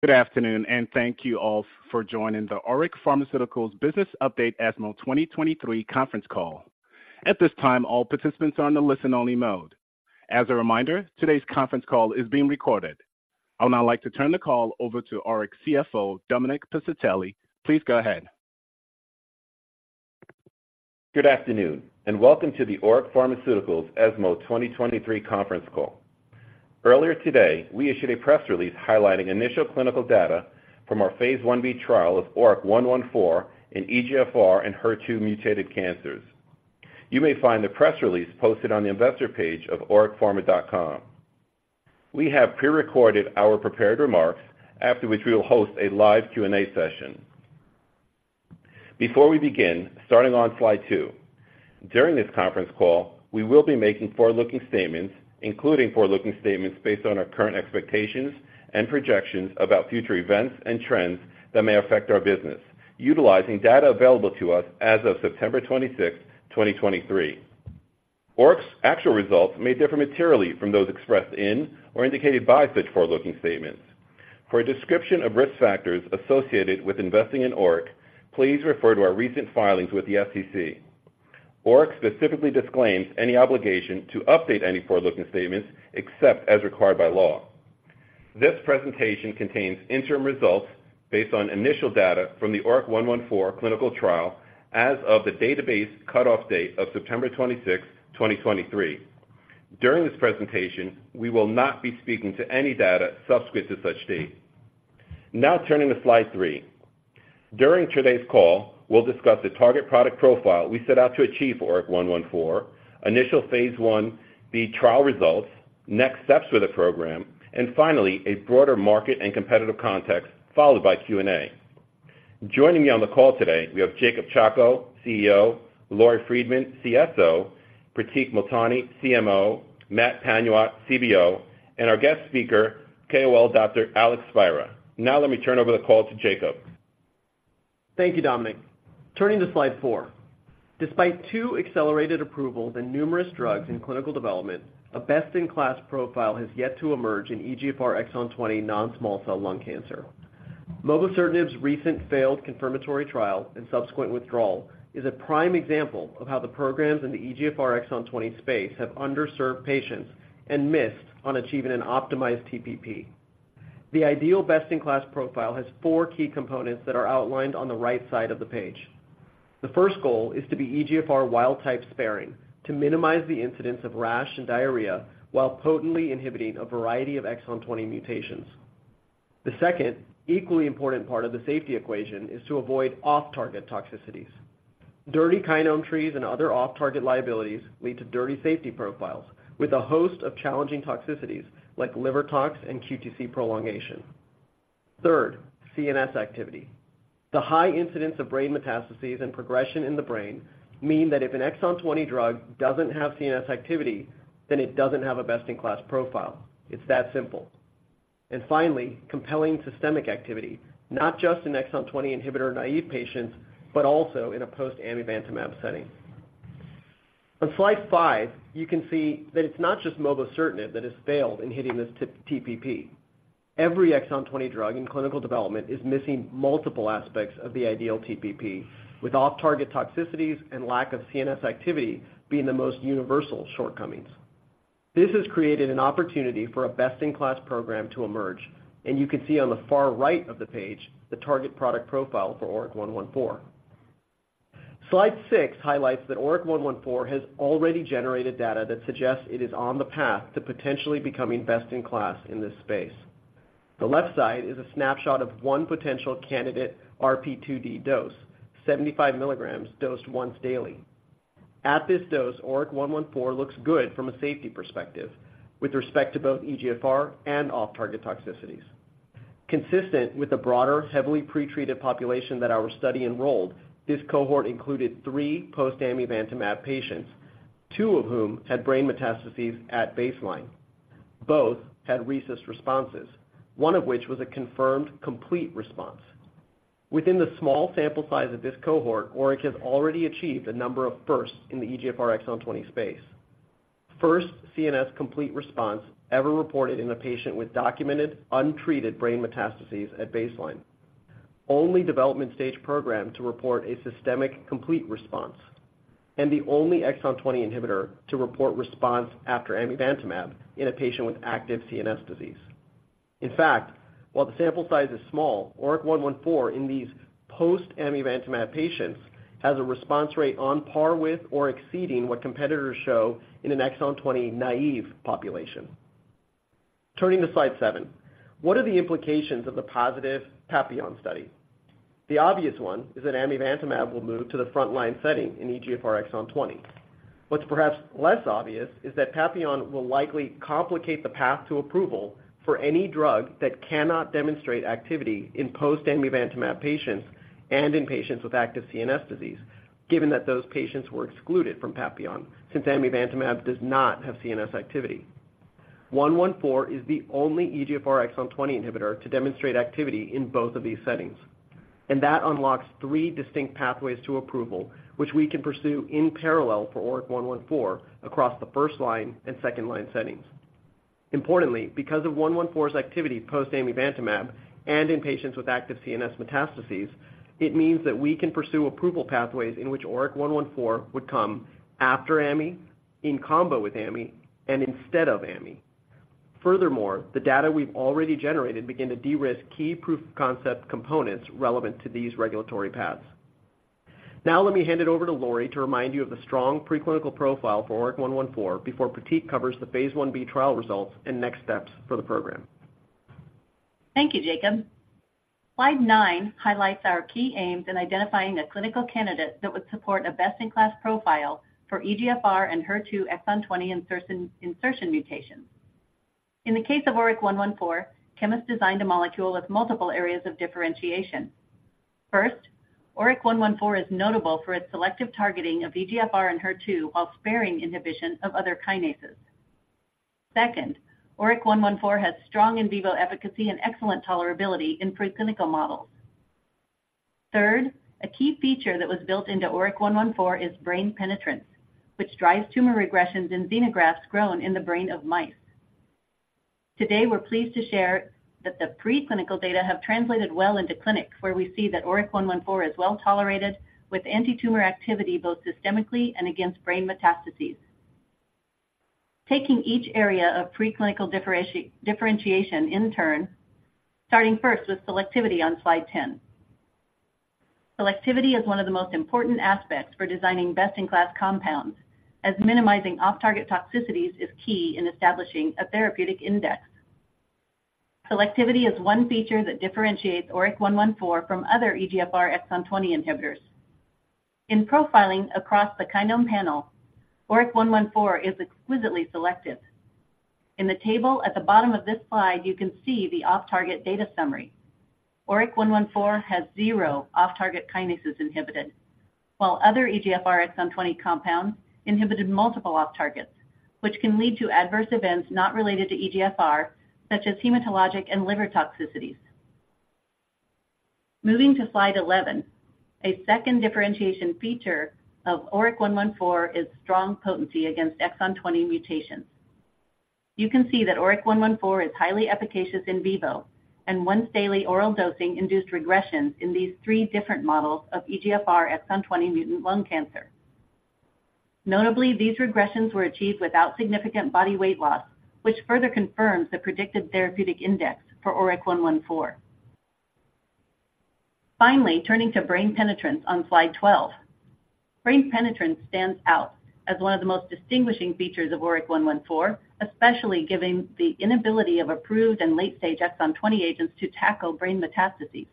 Good afternoon, and thank you all for joining the ORIC Pharmaceuticals Business Update ESMO 2023 conference call. At this time, all participants are on the listen-only mode. As a reminder, today's conference call is being recorded. I would now like to turn the call over to ORIC's CFO, Dominic Piscitelli. Please go ahead. Good afternoon, and welcome to the ORIC Pharmaceuticals ESMO 2023 conference call. Earlier today, we issued a press release highlighting initial clinical data from our phase Ib trial of ORIC-114 in EGFR and HER2 mutated cancers. You may find the press release posted on the investor page of oricpharma.com. We have pre-recorded our prepared remarks, after which we will host a live Q&A session. Before we begin, starting on slide two, during this conference call, we will be making forward-looking statements, including forward-looking statements based on our current expectations and projections about future events and trends that may affect our business, utilizing data available to us as of September 26th, 2023. ORIC's actual results may differ materially from those expressed in or indicated by such forward-looking statements. For a description of risk factors associated with investing in ORIC, please refer to our recent filings with the SEC. ORIC specifically disclaims any obligation to update any forward-looking statements except as required by law. This presentation contains interim results based on initial data from the ORIC-114 clinical trial as of the database cutoff date of September 26, 2023. During this presentation, we will not be speaking to any data subsequent to such date. Now turning to slide three. During today's call, we'll discuss the target product profile we set out to achieve for ORIC-114, initial phase Ib trial results, next steps for the program, and finally, a broader market and competitive context, followed by Q&A. Joining me on the call today, we have Jacob Chacko, CEO, Lori Friedman, CSO, Pratik Multani, CMO, Matt Panuwat, CBO, and our guest speaker, KOL, Dr. Alex Spira. Now let me turn over the call to Jacob. Thank you, Dominic. Turning to slide four. Despite two accelerated approvals and numerous drugs in clinical development, a best-in-class profile has yet to emerge in EGFR exon 20 non-small cell lung cancer. Mobocertinib's recent failed confirmatory trial and subsequent withdrawal is a prime example of how the programs in the EGFR exon 20 space have underserved patients and missed on achieving an optimized TPP. The ideal best-in-class profile has 4 key components that are outlined on the right side of the page. The first goal is to be EGFR wild type sparing, to minimize the incidence of rash and diarrhea, while potently inhibiting a variety of exon 20 mutations. The second equally important part of the safety equation is to avoid off-target toxicities. Dirty kinome trees and other off-target liabilities lead to dirty safety profiles with a host of challenging toxicities like liver tox and QTc prolongation. Third, CNS activity. The high incidence of brain metastases and progression in the brain mean that if an exon 20 drug doesn't have CNS activity, then it doesn't have a best-in-class profile. It's that simple. And finally, compelling systemic activity, not just in exon 20 inhibitor-naive patients, but also in a post-Amivantamab setting. On slide five, you can see that it's not just Mobocertinib that has failed in hitting this TPP. Every exon 20 drug in clinical development is missing multiple aspects of the ideal TPP, with off-target toxicities and lack of CNS activity being the most universal shortcomings. This has created an opportunity for a best-in-class program to emerge, and you can see on the far right of the page the target product profile for ORIC-114. Slide 6 highlights that ORIC-114 has already generated data that suggests it is on the path to potentially becoming best in class in this space. The left side is a snapshot of one potential candidate, RP2D dose, 75 mg, dosed once daily. At this dose, ORIC-114 looks good from a safety perspective with respect to both EGFR and off-target toxicities. Consistent with the broader, heavily pretreated population that our study enrolled, this cohort included three post-Amivantamab patients, two of whom had brain metastases at baseline. Both had RECIST responses, one of which was a confirmed complete response. Within the small sample size of this cohort, ORIC has already achieved a number of firsts in the EGFR exon 20 space. First, CNS complete response ever reported in a patient with documented untreated brain metastases at baseline. Only development stage program to report a systemic complete response, and the only exon 20 inhibitor to report response after Amivantamab in a patient with active CNS disease. In fact, while the sample size is small, ORIC-114 in these post Amivantamab patients, has a response rate on par with or exceeding what competitors show in an exon 20 naive population. Turning to slide seven, what are the implications of the positive PAPILLON study? The obvious one is that Amivantamab will move to the frontline setting in EGFR exon 20. What's perhaps less obvious is that PAPILLON will likely complicate the path to approval for any drug that cannot demonstrate activity in post Amivantamab patients and in patients with active CNS disease, given that those patients were excluded from PAPILLON, since Amivantamab does not have CNS activity. ORIC-114 is the only EGFR exon 20 inhibitor to demonstrate activity in both of these settings, and that unlocks three distinct pathways to approval, which we can pursue in parallel for ORIC-114 across the first-line and second-line settings. Importantly, because of ORIC-114's activity post Amivantamab and in patients with active CNS metastases, it means that we can pursue approval pathways in which ORIC-114 would come after Ami, in combo with Ami, and instead of Ami. Furthermore, the data we've already generated begin to de-risk key proof-of-concept components relevant to these regulatory paths. Now, let me hand it over to Lori to remind you of the strong preclinical profile for ORIC-114 before Pratik covers the phase 1b trial results and next steps for the program. Thank you, Jacob. Slide nine highlights our key aims in identifying a clinical candidate that would support a best-in-class profile for EGFR and HER2 exon 20 insertion, insertion mutations. In the case of ORIC-114, chemists designed a molecule with multiple areas of differentiation. First, ORIC-114 is notable for its selective targeting of EGFR and HER2, while sparing inhibition of other kinases. Second, ORIC-114 has strong in vivo efficacy and excellent tolerability in preclinical models. Third, a key feature that was built into ORIC-114 is brain penetrance, which drives tumor regressions in xenografts grown in the brain of mice. Today, we're pleased to share that the preclinical data have translated well into clinic, where we see that ORIC-114 is well-tolerated, with antitumor activity, both systemically and against brain metastases. Taking each area of preclinical differentiation in turn, starting first with selectivity on Slide 10. Selectivity is one of the most important aspects for designing best-in-class compounds, as minimizing off-target toxicities is key in establishing a therapeutic index. Selectivity is one feature that differentiates ORIC-114 from other EGFR exon 20 inhibitors. In profiling across the kinome panel, ORIC-114 is exquisitely selective. In the table at the bottom of this slide, you can see the off-target data summary. ORIC-114 has zero off-target kinases inhibited, while other EGFR exon 20 compounds inhibited multiple off targets, which can lead to adverse events not related to EGFR, such as hematologic and liver toxicities. Moving to Slide 11, a second differentiation feature of ORIC-114 is strong potency against exon 20 mutations. You can see that ORIC-114 is highly efficacious in vivo, and once-daily oral dosing induced regressions in these three different models of EGFR exon 20 mutant lung cancer. Notably, these regressions were achieved without significant body weight loss, which further confirms the predicted therapeutic index for ORIC-114. Finally, turning to brain penetrance on Slide 12. Brain penetrance stands out as one of the most distinguishing features of ORIC-114, especially given the inability of approved and late-stage exon 20 agents to tackle brain metastases.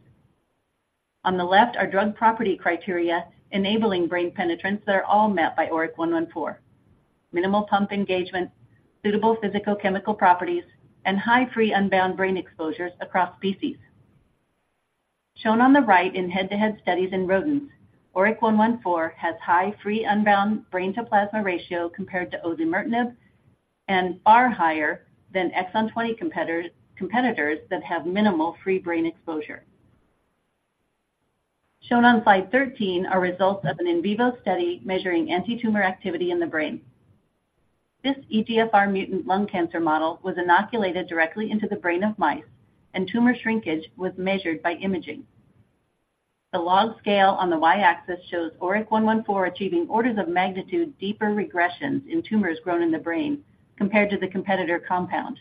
On the left are drug property criteria enabling brain penetrance that are all met by ORIC-114: minimal P-gp engagement, suitable physicochemical properties, and high free unbound brain exposures across species. Shown on the right in head-to-head studies in rodents, ORIC-114 has high free unbound brain-to-plasma ratio compared to Osimertinib, and far higher than exon 20 competitors, competitors that have minimal free brain exposure. Shown on Slide 13 are results of an in vivo study measuring antitumor activity in the brain. This EGFR mutant lung cancer model was inoculated directly into the brain of mice, and tumor shrinkage was measured by imaging. The log scale on the Y-axis shows ORIC-114 achieving orders of magnitude deeper regressions in tumors grown in the brain compared to the competitor compound.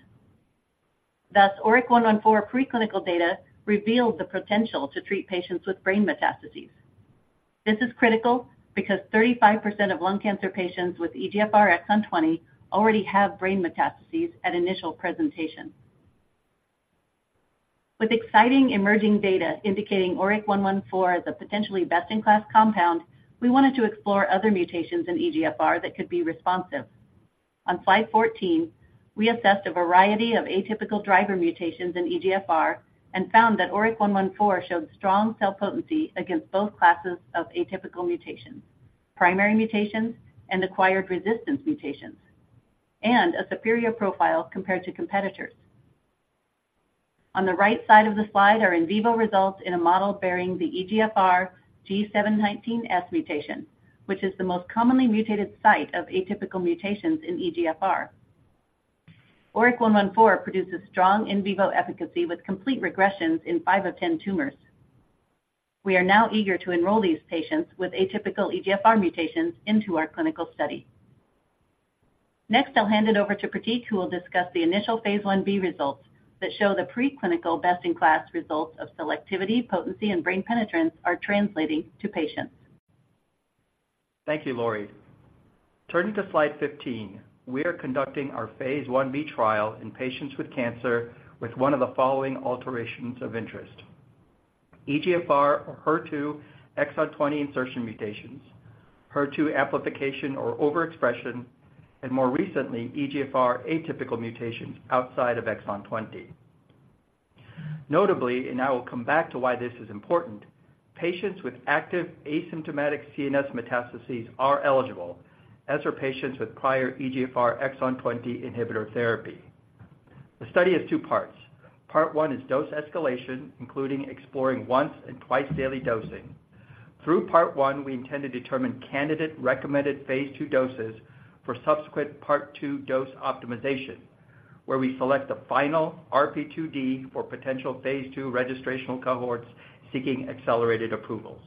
Thus, ORIC-114 preclinical data reveals the potential to treat patients with brain metastases. This is critical because 35% of lung cancer patients with EGFR exon 20 already have brain metastases at initial presentation. With exciting emerging data indicating ORIC-114 as a potentially best-in-class compound, we wanted to explore other mutations in EGFR that could be responsive. On Slide 14, we assessed a variety of atypical driver mutations in EGFR and found that ORIC-114 showed strong cell potency against both classes of atypical mutations, primary mutations and acquired resistance mutations, and a superior profile compared to competitors. On the right side of the slide are in vivo results in a model bearing the EGFR G719S mutation, which is the most commonly mutated site of atypical mutations in EGFR. ORIC-114 produces strong in vivo efficacy with complete regressions in five of 10 tumors. We are now eager to enroll these patients with atypical EGFR mutations into our clinical study. Next, I'll hand it over to Pratik, who will discuss the initial phase 1b results that show the preclinical best-in-class results of selectivity, potency, and brain penetrance are translating to patients. Thank you, Lori. Turning to Slide 15, we are conducting our phase 1b trial in patients with cancer with one of the following alterations of interest: EGFR or HER2 exon 20 insertion mutations, HER2 amplification or overexpression, and more recently, EGFR atypical mutations outside of exon 20. Notably, and I will come back to why this is important, patients with active asymptomatic CNS metastases are eligible, as are patients with prior EGFR exon 20 inhibitor therapy. ...The study has two parts. Part one is dose escalation, including exploring once and twice daily dosing. Through part one, we intend to determine candidate recommended phase II doses for subsequent part two dose optimization, where we select the final RP2D for potential phase II registrational cohorts seeking accelerated approvals.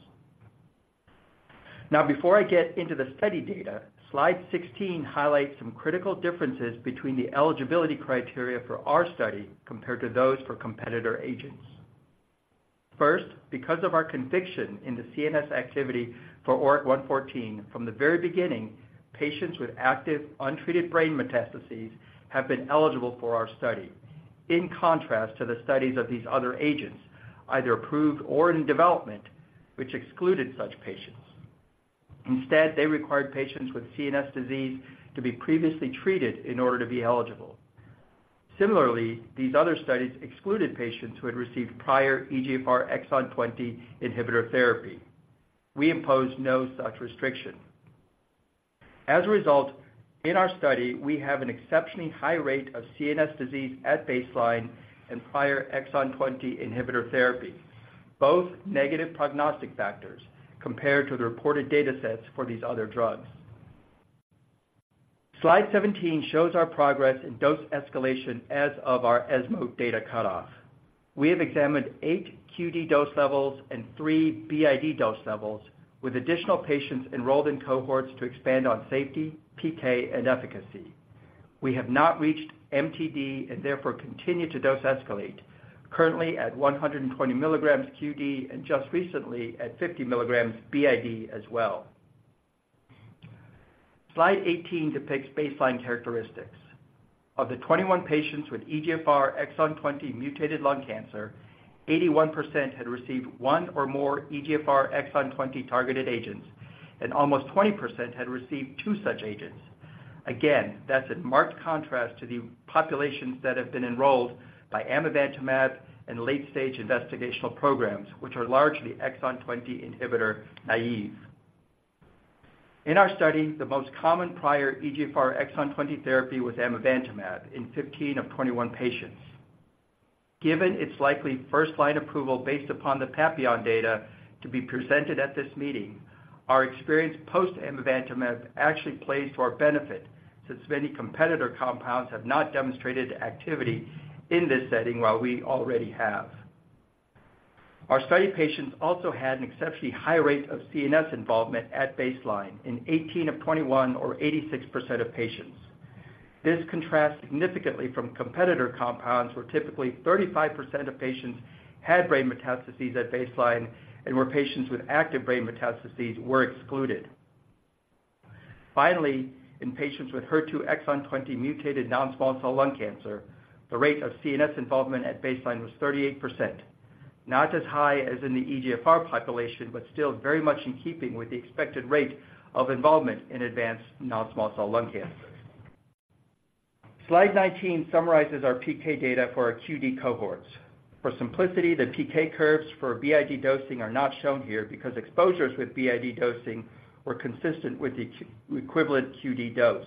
Now, before I get into the study data, slide 16 highlights some critical differences between the eligibility criteria for our study compared to those for competitor agents. First, because of our conviction in the CNS activity for ORIC-114, from the very beginning, patients with active, untreated brain metastases have been eligible for our study, in contrast to the studies of these other agents, either approved or in development, which excluded such patients. Instead, they required patients with CNS disease to be previously treated in order to be eligible. Similarly, these other studies excluded patients who had received prior EGFR exon 20 inhibitor therapy. We imposed no such restriction. As a result, in our study, we have an exceptionally high rate of CNS disease at baseline and prior exon 20 inhibitor therapy, both negative prognostic factors compared to the reported data sets for these other drugs. Slide 17 shows our progress in dose escalation as of our ESMO data cutoff. We have examined eight QD dose levels and three BID dose levels, with additional patients enrolled in cohorts to expand on safety, PK, and efficacy. We have not reached MTD and therefore continue to dose escalate, currently at 120 milligrams QD and just recently at 50 milligrams BID as well. Slide 18 depicts baseline characteristics. Of the 21 patients with EGFR exon 20 mutated lung cancer, 81% had received one or more EGFR exon 20 targeted agents, and almost 20% had received two such agents. Again, that's in marked contrast to the populations that have been enrolled by Amivantamab and late-stage investigational programs, which are largely exon 20 inhibitor naive. In our study, the most common prior EGFR exon 20 therapy was Amivantamab in 15 of 21 patients. Given its likely first-line approval based upon the PAPILLON data to be presented at this meeting, our experience post Amivantamab actually plays to our benefit, since many competitor compounds have not demonstrated activity in this setting, while we already have. Our study patients also had an exceptionally high rate of CNS involvement at baseline in 18 of 21 or 86% of patients. This contrasts significantly from competitor compounds, where typically 35% of patients had brain metastases at baseline and where patients with active brain metastases were excluded. Finally, in patients with HER2 exon 20 mutated non-small cell lung cancer, the rate of CNS involvement at baseline was 38%. Not as high as in the EGFR population, but still very much in keeping with the expected rate of involvement in advanced non-small cell lung cancer. Slide 19 summarizes our PK data for our QD cohorts. For simplicity, the PK curves for BID dosing are not shown here because exposures with BID dosing were consistent with the equivalent QD dose.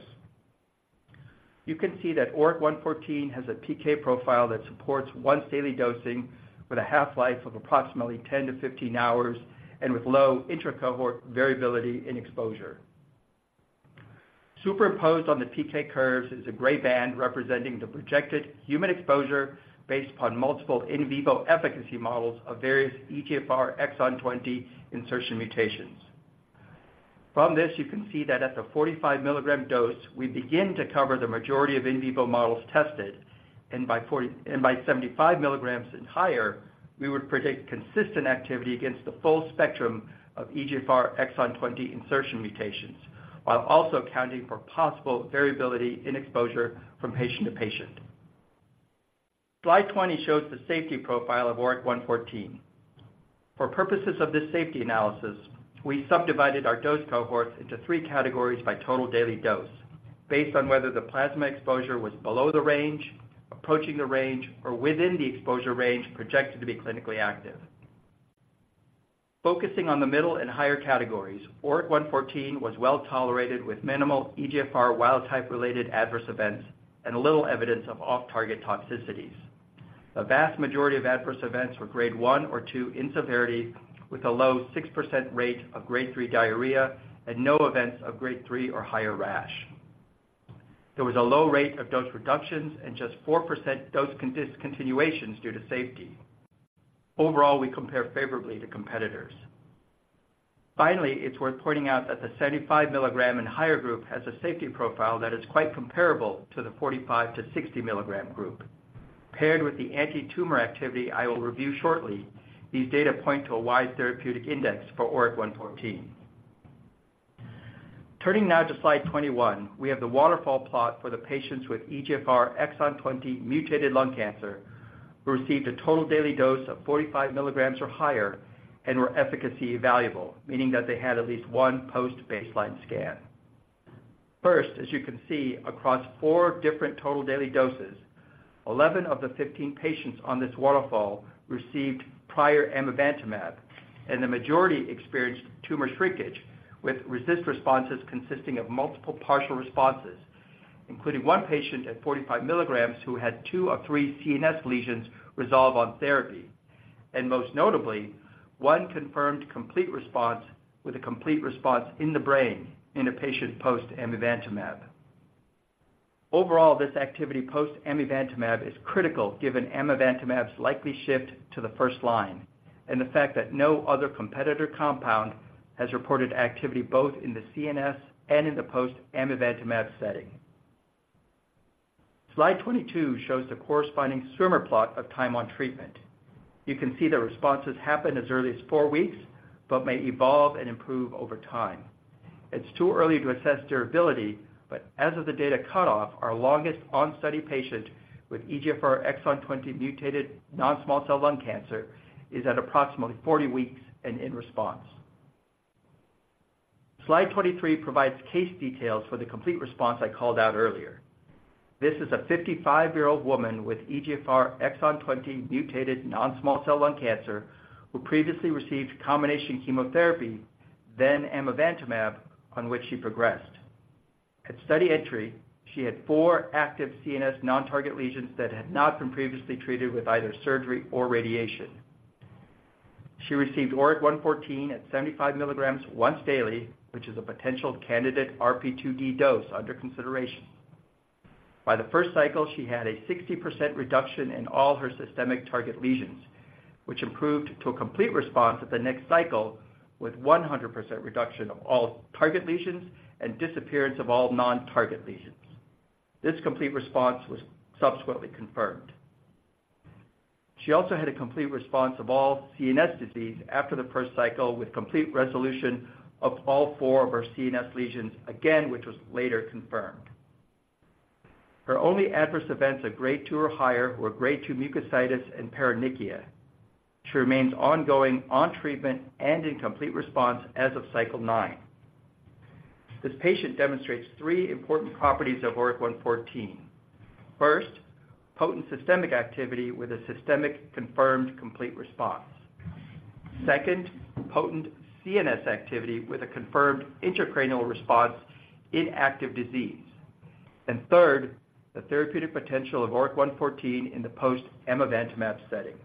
You can see that ORIC-114 has a PK profile that supports once daily dosing with a half-life of approximately 10-15 hours and with low intra-cohort variability in exposure. Superimposed on the PK curves is a gray band representing the projected human exposure based upon multiple in vivo efficacy models of various EGFR exon 20 insertion mutations. From this, you can see that at the 45 mg dose, we begin to cover the majority of in vivo models tested, and by 75 mg and higher, we would predict consistent activity against the full spectrum of EGFR exon 20 insertion mutations, while also accounting for possible variability in exposure from patient to patient. Slide 20 shows the safety profile of ORIC-114. For purposes of this safety analysis, we subdivided our dose cohorts into three categories by total daily dose, based on whether the plasma exposure was below the range, approaching the range, or within the exposure range projected to be clinically active. Focusing on the middle and higher categories, ORIC-114 was well tolerated with minimal EGFR wild-type related adverse events and little evidence of off-target toxicities. The vast majority of adverse events were grade one or two in severity, with a low 6% rate of grade 3 diarrhea and no events of grade 3 or higher rash. There was a low rate of dose reductions and just 4% dose discontinuations due to safety. Overall, we compare favorably to competitors. Finally, it's worth pointing out that the 75 milligram and higher group has a safety profile that is quite comparable to the 45 to 60 milligram group. Paired with the anti-tumor activity I will review shortly, these data point to a wide therapeutic index for ORIC-114. Turning now to slide 21, we have the waterfall plot for the patients with EGFR exon 20 mutated lung cancer, who received a total daily dose of 45 mg or higher and were efficacy evaluable, meaning that they had at least one post-baseline scan. First, as you can see, across four different total daily doses, 11 of the 15 patients on this waterfall received prior Amivantamab, and the majority experienced tumor shrinkage, with RECIST responses consisting of multiple partial responses, including one patient at 45 mg who had two of three CNS lesions resolve on therapy. Most notably, one confirmed complete response with a complete response in the brain in a patient post-Amivantamab. Overall, this activity post Amivantamab is critical, given Amivantamab's likely shift to the first line, and the fact that no other competitor compound has reported activity both in the CNS and in the post Amivantamab setting. Slide 22 shows the corresponding swimmer plot of time on treatment. You can see the responses happen as early as four weeks, but may evolve and improve over time. It's too early to assess durability, but as of the data cutoff, our longest on-study patient with EGFR exon 20 mutated non-small cell lung cancer is at approximately 40 weeks and in response. Slide 23 provides case details for the complete response I called out earlier. This is a 55-year-old woman with EGFR exon 20 mutated non-small cell lung cancer, who previously received combination chemotherapy, then Amivantamab, on which she progressed. At study entry, she had four active CNS non-target lesions that had not been previously treated with either surgery or radiation. She received ORIC-114 at 75 milligrams once daily, which is a potential candidate RP2D dose under consideration. By the first cycle, she had a 60% reduction in all her systemic target lesions, which improved to a complete response at the next cycle, with 100% reduction of all target lesions and disappearance of all non-target lesions. This complete response was subsequently confirmed. She also had a complete response of all CNS disease after the first cycle, with complete resolution of all four of her CNS lesions, again, which was later confirmed. Her only adverse events of grade two or higher were grade two mucositis and paronychia. She remains ongoing on treatment and in complete response as of cycle nine. This patient demonstrates three important properties of ORIC-114. First, potent systemic activity with a systemic confirmed complete response. Second, potent CNS activity with a confirmed intracranial response in active disease. And third, the therapeutic potential of ORIC-114 in the post Amivantamab setting.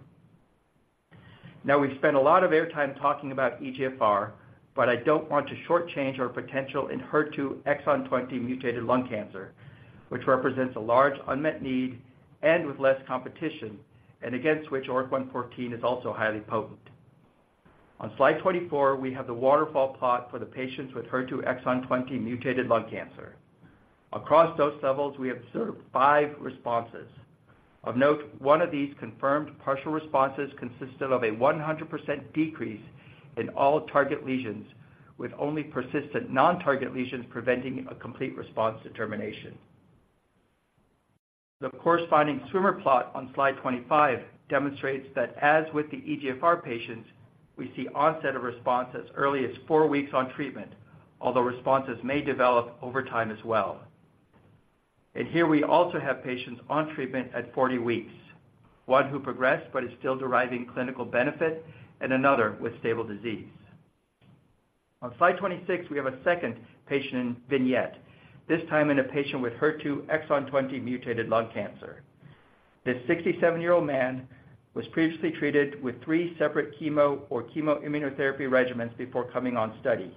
Now, we've spent a lot of airtime talking about EGFR, but I don't want to shortchange our potential in HER2 exon 20 mutated lung cancer, which represents a large unmet need and with less competition, and against which ORIC-114 is also highly potent. On slide 24, we have the waterfall plot for the patients with HER2 exon 20 mutated lung cancer. Across dose levels, we observed five responses. Of note, one of these confirmed partial responses consisted of a 100% decrease in all target lesions, with only persistent non-target lesions preventing a complete response determination. The corresponding swimmer plot on slide 25 demonstrates that as with the EGFR patients, we see onset of response as early as four weeks on treatment, although responses may develop over time as well. Here we also have patients on treatment at 40 weeks, one who progressed but is still deriving clinical benefit and another with stable disease. On slide 26, we have a second patient vignette, this time in a patient with HER2 exon 20 mutated lung cancer. This 67-year-old man was previously treated with three separate chemo or chemo immunotherapy regimens before coming on study.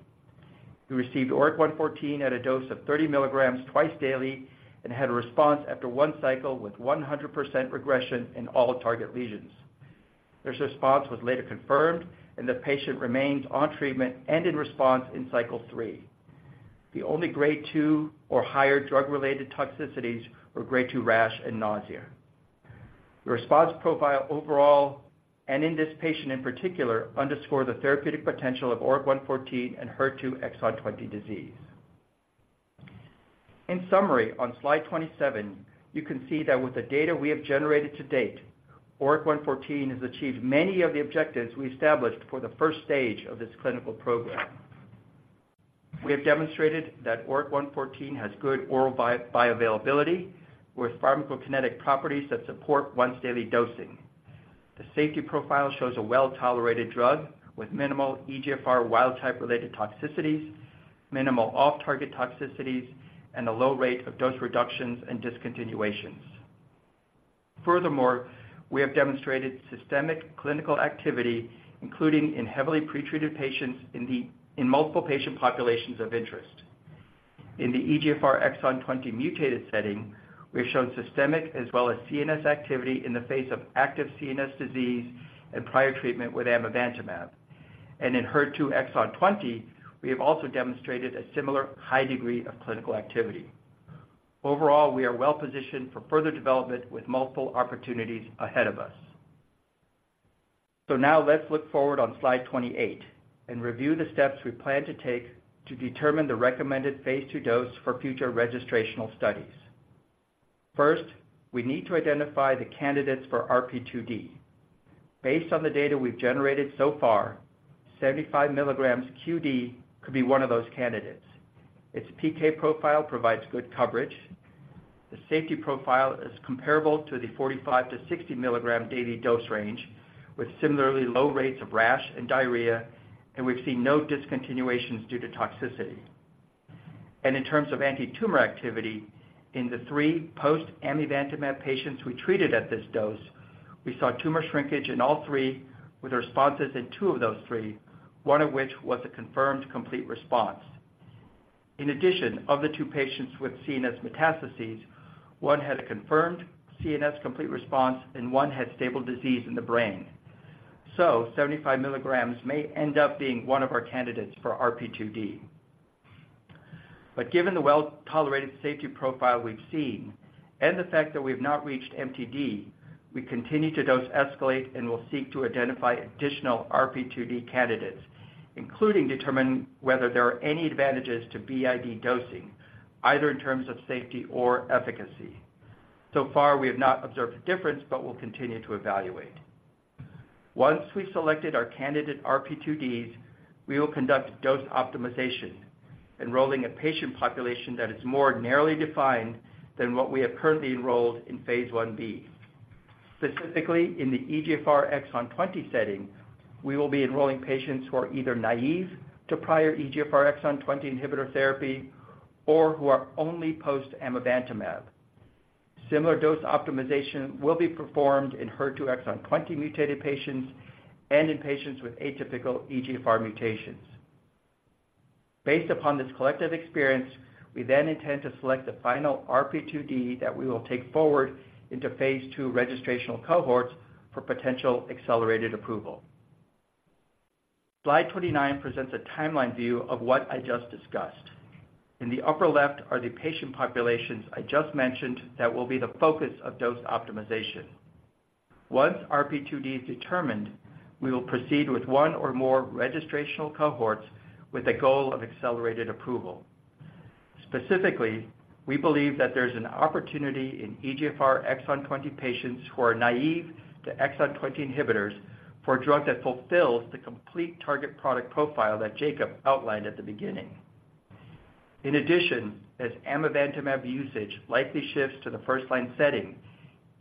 He received ORIC-114 at a dose of 30 milligrams twice daily and had a response after one cycle with 100% regression in all target lesions. This response was later confirmed, and the patient remains on treatment and in response in cycle three. The only grade two or higher drug-related toxicities were grade two rash and nausea. The response profile overall, and in this patient in particular, underscore the therapeutic potential of ORIC-114 in HER2 exon 20 disease. In summary, on slide 27, you can see that with the data we have generated to date, ORIC-114 has achieved many of the objectives we established for the first stage of this clinical program. We have demonstrated that ORIC-114 has good oral bioavailability, with pharmacokinetic properties that support once daily dosing. The safety profile shows a well-tolerated drug with minimal EGFR wild type related toxicities, minimal off-target toxicities, and a low rate of dose reductions and discontinuations. Furthermore, we have demonstrated systemic clinical activity, including in heavily pretreated patients in multiple patient populations of interest. In the EGFR exon 20 mutated setting, we have shown systemic as well as CNS activity in the face of active CNS disease and prior treatment with Amivantamab. In HER2 exon 20, we have also demonstrated a similar high degree of clinical activity. Overall, we are well positioned for further development with multiple opportunities ahead of us. Now let's look forward on slide 28 and review the steps we plan to take to determine the recommended phase II dose for future registrational studies. First, we need to identify the candidates for RP2D. Based on the data we've generated so far, 75 mg QD could be one of those candidates. Its PK profile provides good coverage. The safety profile is comparable to the 45-60 mg daily dose range with similarly low rates of rash and diarrhea, and we've seen no discontinuations due to toxicity. In terms of anti-tumor activity, in the three post-Amivantamab patients we treated at this dose, we saw tumor shrinkage in all three, with responses in two of those three, one of which was a confirmed complete response. In addition, of the two patients with CNS metastases, one had a confirmed CNS complete response, and one had stable disease in the brain. 75 milligrams may end up being one of our candidates for RP2D. Given the well-tolerated safety profile we've seen and the fact that we've not reached MTD, we continue to dose escalate and will seek to identify additional RP2D candidates, including determining whether there are any advantages to BID dosing, either in terms of safety or efficacy. So far, we have not observed a difference, but we'll continue to evaluate. Once we've selected our candidate RP2Ds, we will conduct dose optimization, enrolling a patient population that is more narrowly defined than what we have currently enrolled in phase 1b. Specifically, in the EGFR exon 20 setting, we will be enrolling patients who are either naive to prior EGFR exon 20 inhibitor therapy or who are only post-Amivantamab. Similar dose optimization will be performed in HER2 exon 20 mutated patients and in patients with atypical EGFR mutations. Based upon this collective experience, we then intend to select the final RP2D that we will take forward into phase II registrational cohorts for potential accelerated approval. Slide 29 presents a timeline view of what I just discussed. In the upper left are the patient populations I just mentioned that will be the focus of dose optimization. Once RP2D is determined, we will proceed with one or more registrational cohorts with a goal of accelerated approval. Specifically, we believe that there's an opportunity in EGFR exon 20 patients who are naive to exon 20 inhibitors for a drug that fulfills the complete target product profile that Jacob outlined at the beginning. In addition, as Amivantamab usage likely shifts to the first-line setting,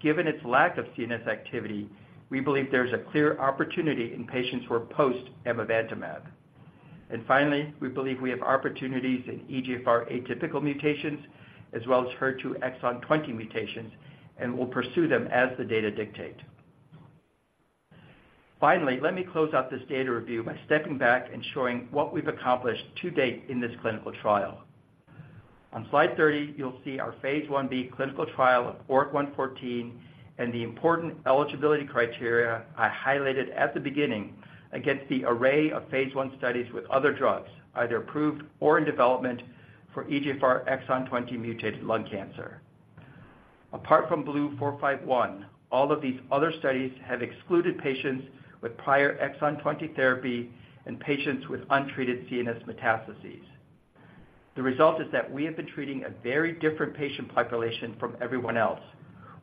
given its lack of CNS activity, we believe there's a clear opportunity in patients who are post-Amivantamab. And finally, we believe we have opportunities in EGFR atypical mutations as well as HER2 exon 20 mutations, and we'll pursue them as the data dictate. Finally, let me close out this data review by stepping back and showing what we've accomplished to date in this clinical trial. On Slide 30, you'll see our phase 1b clinical trial of ORIC-114 and the important eligibility criteria I highlighted at the beginning against the array of phase I studies with other drugs, either approved or in development for EGFR exon 20 mutated lung cancer. Apart from BLU-451, all of these other studies have excluded patients with prior exon 20 therapy and patients with untreated CNS metastases. The result is that we have been treating a very different patient population from everyone else,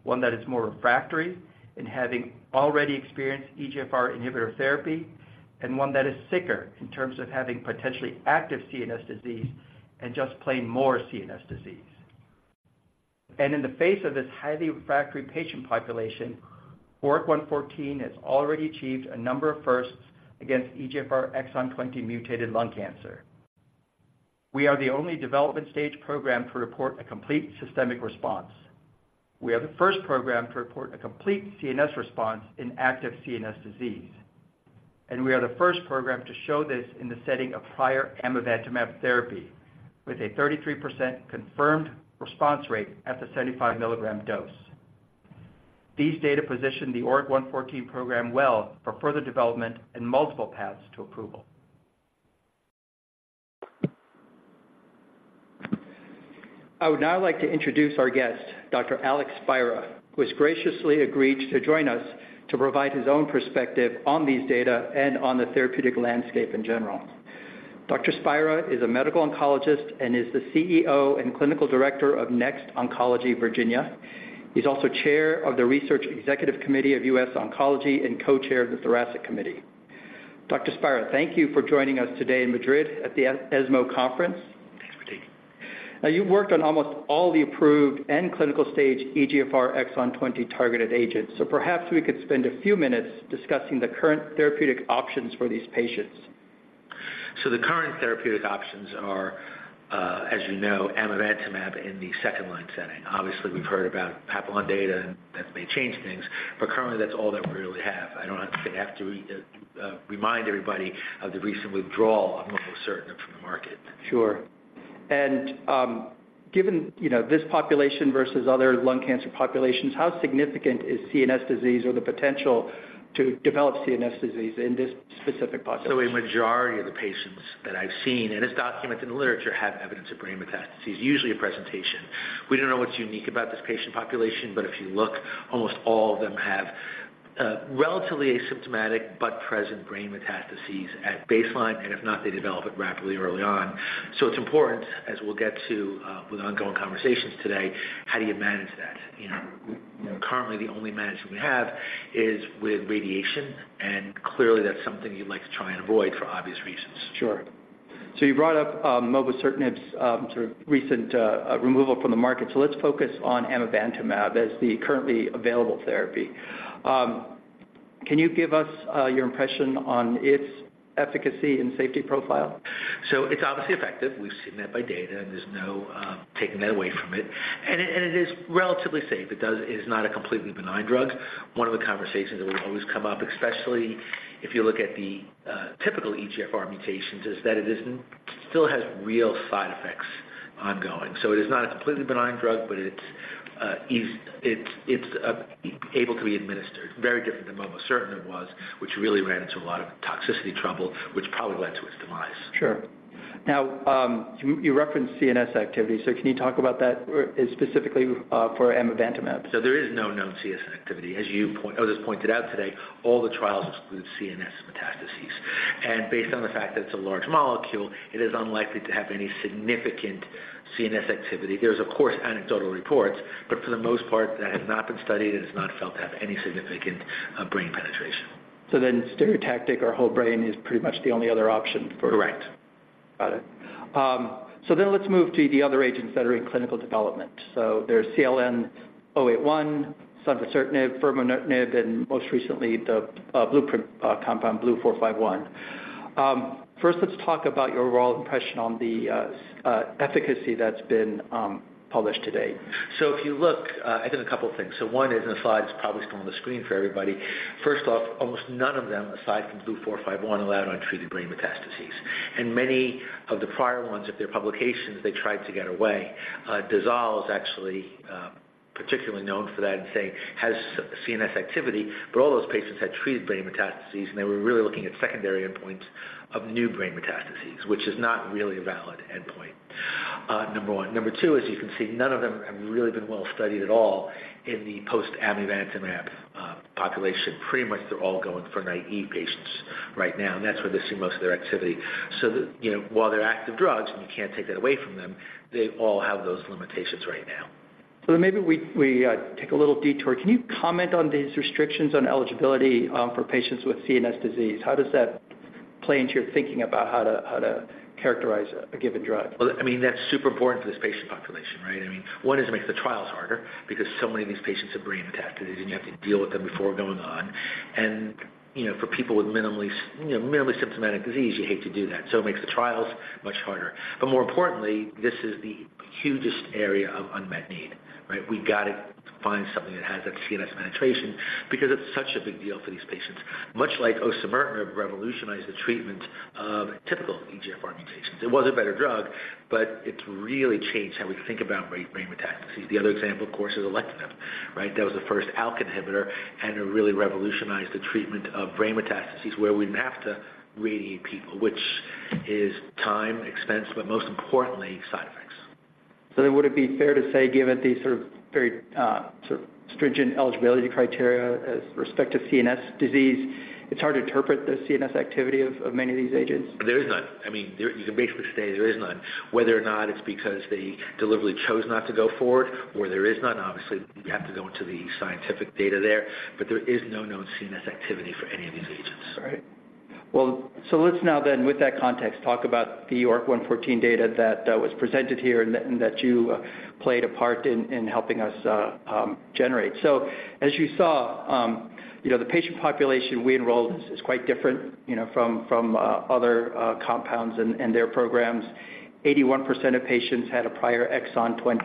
one that is more refractory in having already experienced EGFR inhibitor therapy, and one that is sicker in terms of having potentially active CNS disease and just plain more CNS disease. In the face of this highly refractory patient population, ORIC-114 has already achieved a number of firsts against EGFR exon 20 mutated lung cancer. We are the only development stage program to report a complete systemic response. We are the first program to report a complete CNS response in active CNS disease, and we are the first program to show this in the setting of prior Amivantamab therapy, with a 33% confirmed response rate at the 75 milligram dose. These data position the ORIC-114 program well for further development and multiple paths to approval. I would now like to introduce our guest, Dr. Alex Spira, who has graciously agreed to join us to provide his own perspective on these data and on the therapeutic landscape in general. Dr. Spira is a medical oncologist and is the CEO and Clinical Director of Next Oncology Virginia. He's also Chair of the Research Executive Committee of US Oncology and Co-Chair of the Thoracic Committee. Dr. Spira, thank you for joining us today in Madrid at the ESMO conference. Thanks for having me. Now, you've worked on almost all the approved and clinical-stage EGFR exon 20 targeted agents, so perhaps we could spend a few minutes discussing the current therapeutic options for these patients. So the current therapeutic options are, as you know, Amivantamab in the second-line setting. Obviously, we've heard about PAPILLON data, and that may change things, but currently, that's all that we really have. I don't have to remind everybody of the recent withdrawal of from the market. Sure. And given, you know, this population versus other lung cancer populations, how significant is CNS disease or the potential to develop CNS disease in this specific population? So a majority of the patients that I've seen, and it's documented in the literature, have evidence of brain metastases, usually a presentation. We don't know what's unique about this patient population, but if you look, almost all of them have relatively asymptomatic but present brain metastases at baseline, and if not, they develop it rapidly early on. So it's important, as we'll get to with ongoing conversations today, how do you manage that? You know, currently, the only management we have is with radiation, and clearly that's something you'd like to try and avoid for obvious reasons. Sure. So you brought up mobocertinib's sort of recent removal from the market. Let's focus on Amivantamab as the currently available therapy. Can you give us your impression on its efficacy and safety profile? It's obviously effective. We've seen that by data, and there's no taking that away from it, and it is relatively safe. It is not a completely benign drug. One of the conversations that will always come up, especially if you look at the typical EGFR mutations, is that it still has real side effects ongoing. It is not a completely benign drug, but it's able to be administered. Very different than mobocertinib was, which really ran into a lot of toxicity trouble, which probably led to its demise. Sure. Now, you referenced CNS activity, so can you talk about that, or specifically, for Amivantamab? There is no known CNS activity. As you or just pointed out today, all the trials exclude CNS metastases. Based on the fact that it's a large molecule, it is unlikely to have any significant CNS activity. There's, of course, anecdotal reports, but for the most part, that has not been studied and is not felt to have any significant brain penetration. Stereotactic or whole brain is pretty much the only other option for- Correct. Got it. So then let's move to the other agents that are in clinical development. So there's CLN-081, Sunvozertinib, Furmonertinib, and most recently, the Blueprint compound, BLU-451. First, let's talk about your overall impression on the efficacy that's been published to date. So if you look, I did a couple things. So one is, and the slide's probably still on the screen for everybody. First off, almost none of them, aside from BLU-451, allowed untreated brain metastases. And many of the prior ones, if their publications, they tried to get away. Dizal is actually particularly known for that and say, has CNS activity, but all those patients had treated brain metastases, and they were really looking at secondary endpoints of new brain metastases, which is not really a valid endpoint, number one. Number two, as you can see, none of them have really been well-studied at all in the post-Amivantamab population. Pretty much they're all going for naive patients right now, and that's where they see most of their activity. So, you know, while they're active drugs, and you can't take that away from them, they all have those limitations right now. So then maybe we take a little detour. Can you comment on these restrictions on eligibility for patients with CNS disease? How does that play into your thinking about how to characterize a given drug? Well, I mean, that's super important for this patient population, right? I mean, one, is it makes the trials harder because so many of these patients have brain metastases, and you have to deal with them before going on. And, you know, for people with minimally, you know, minimally symptomatic disease, you hate to do that. So it makes the trials much harder. But more importantly, this is the hugest area of unmet need, right? We've got to find something that has that CNS penetration because it's such a big deal for these patients. Much like Osimertinib revolutionized the treatment of typical EGFR mutations. It was a better drug, but it's really changed how we think about brain metastases. The other example, of course, is alectinib, right? That was the first ALK inhibitor, and it really revolutionized the treatment of brain metastases, where we didn't have to radiate people, which is time, expense, but most importantly, side effects. So then would it be fair to say, given the sort of very, sort of stringent eligibility criteria with respect to CNS disease, it's hard to interpret the CNS activity of, of many of these agents? There is none. I mean, there, you can basically say there is none. Whether or not it's because they deliberately chose not to go forward or there is none, obviously, you have to go into the scientific data there, but there is no known CNS activity for any of these agents. All right. Well, so let's now then, with that context, talk about the ORIC-114 data that was presented here and that you played a part in helping us generate. So as you saw, you know, the patient population we enrolled is quite different, you know, from other compounds and their programs. 81% of patients had a prior exon 20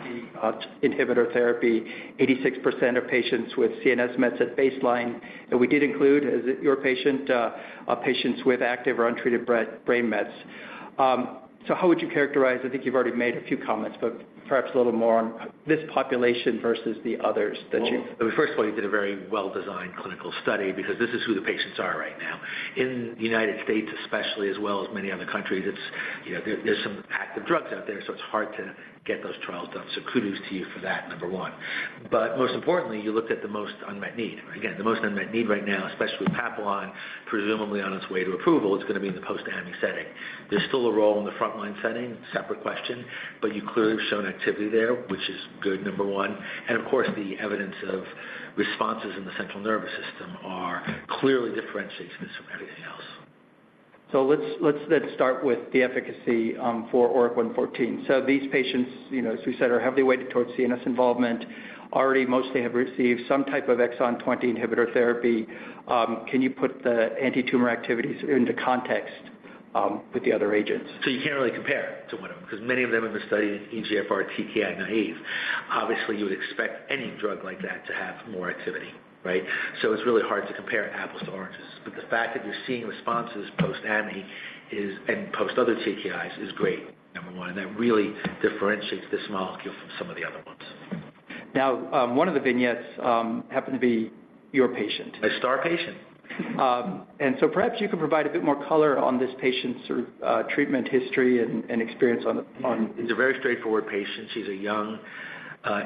inhibitor therapy, 86% of patients with CNS mets at baseline, and we did include, as your patient, patients with active or untreated brain mets. So how would you characterize... I think you've already made a few comments, but perhaps a little more on this population versus the others that you- Well, first of all, you did a very well-designed clinical study because this is who the patients are right now. In the United States, especially, as well as many other countries, it's, you know, there, there's some active drugs out there, so it's hard to get those trials done. So kudos to you for that, number one. But most importantly, you looked at the most unmet need. Again, the most unmet need right now, especially with PAPILLON, presumably on its way to approval, it's gonna be in the post-Ami setting. There's still a role in the frontline setting, separate question, but you clearly have shown activity there, which is good, number one, and of course, the evidence of responses in the central nervous system are clearly differentiates this from everything else. So let's, let's then start with the efficacy for ORIC-114. So these patients, you know, as we said, are heavily weighted towards CNS involvement, already mostly have received some type of exon 20 inhibitor therapy. Can you put the antitumor activities into context with the other agents? So you can't really compare to one of them, because many of them in the study, EGFR TKI-naive. Obviously, you would expect any drug like that to have more activity, right? So it's really hard to compare apples to oranges. But the fact that you're seeing responses post-Amivantamab is, and post other TKIs, is great, number one. That really differentiates this molecule from some of the other ones. Now, one of the vignettes happened to be your patient. A star patient. Perhaps you can provide a bit more color on this patient's sort of treatment history and experience on... It's a very straightforward patient. She's a young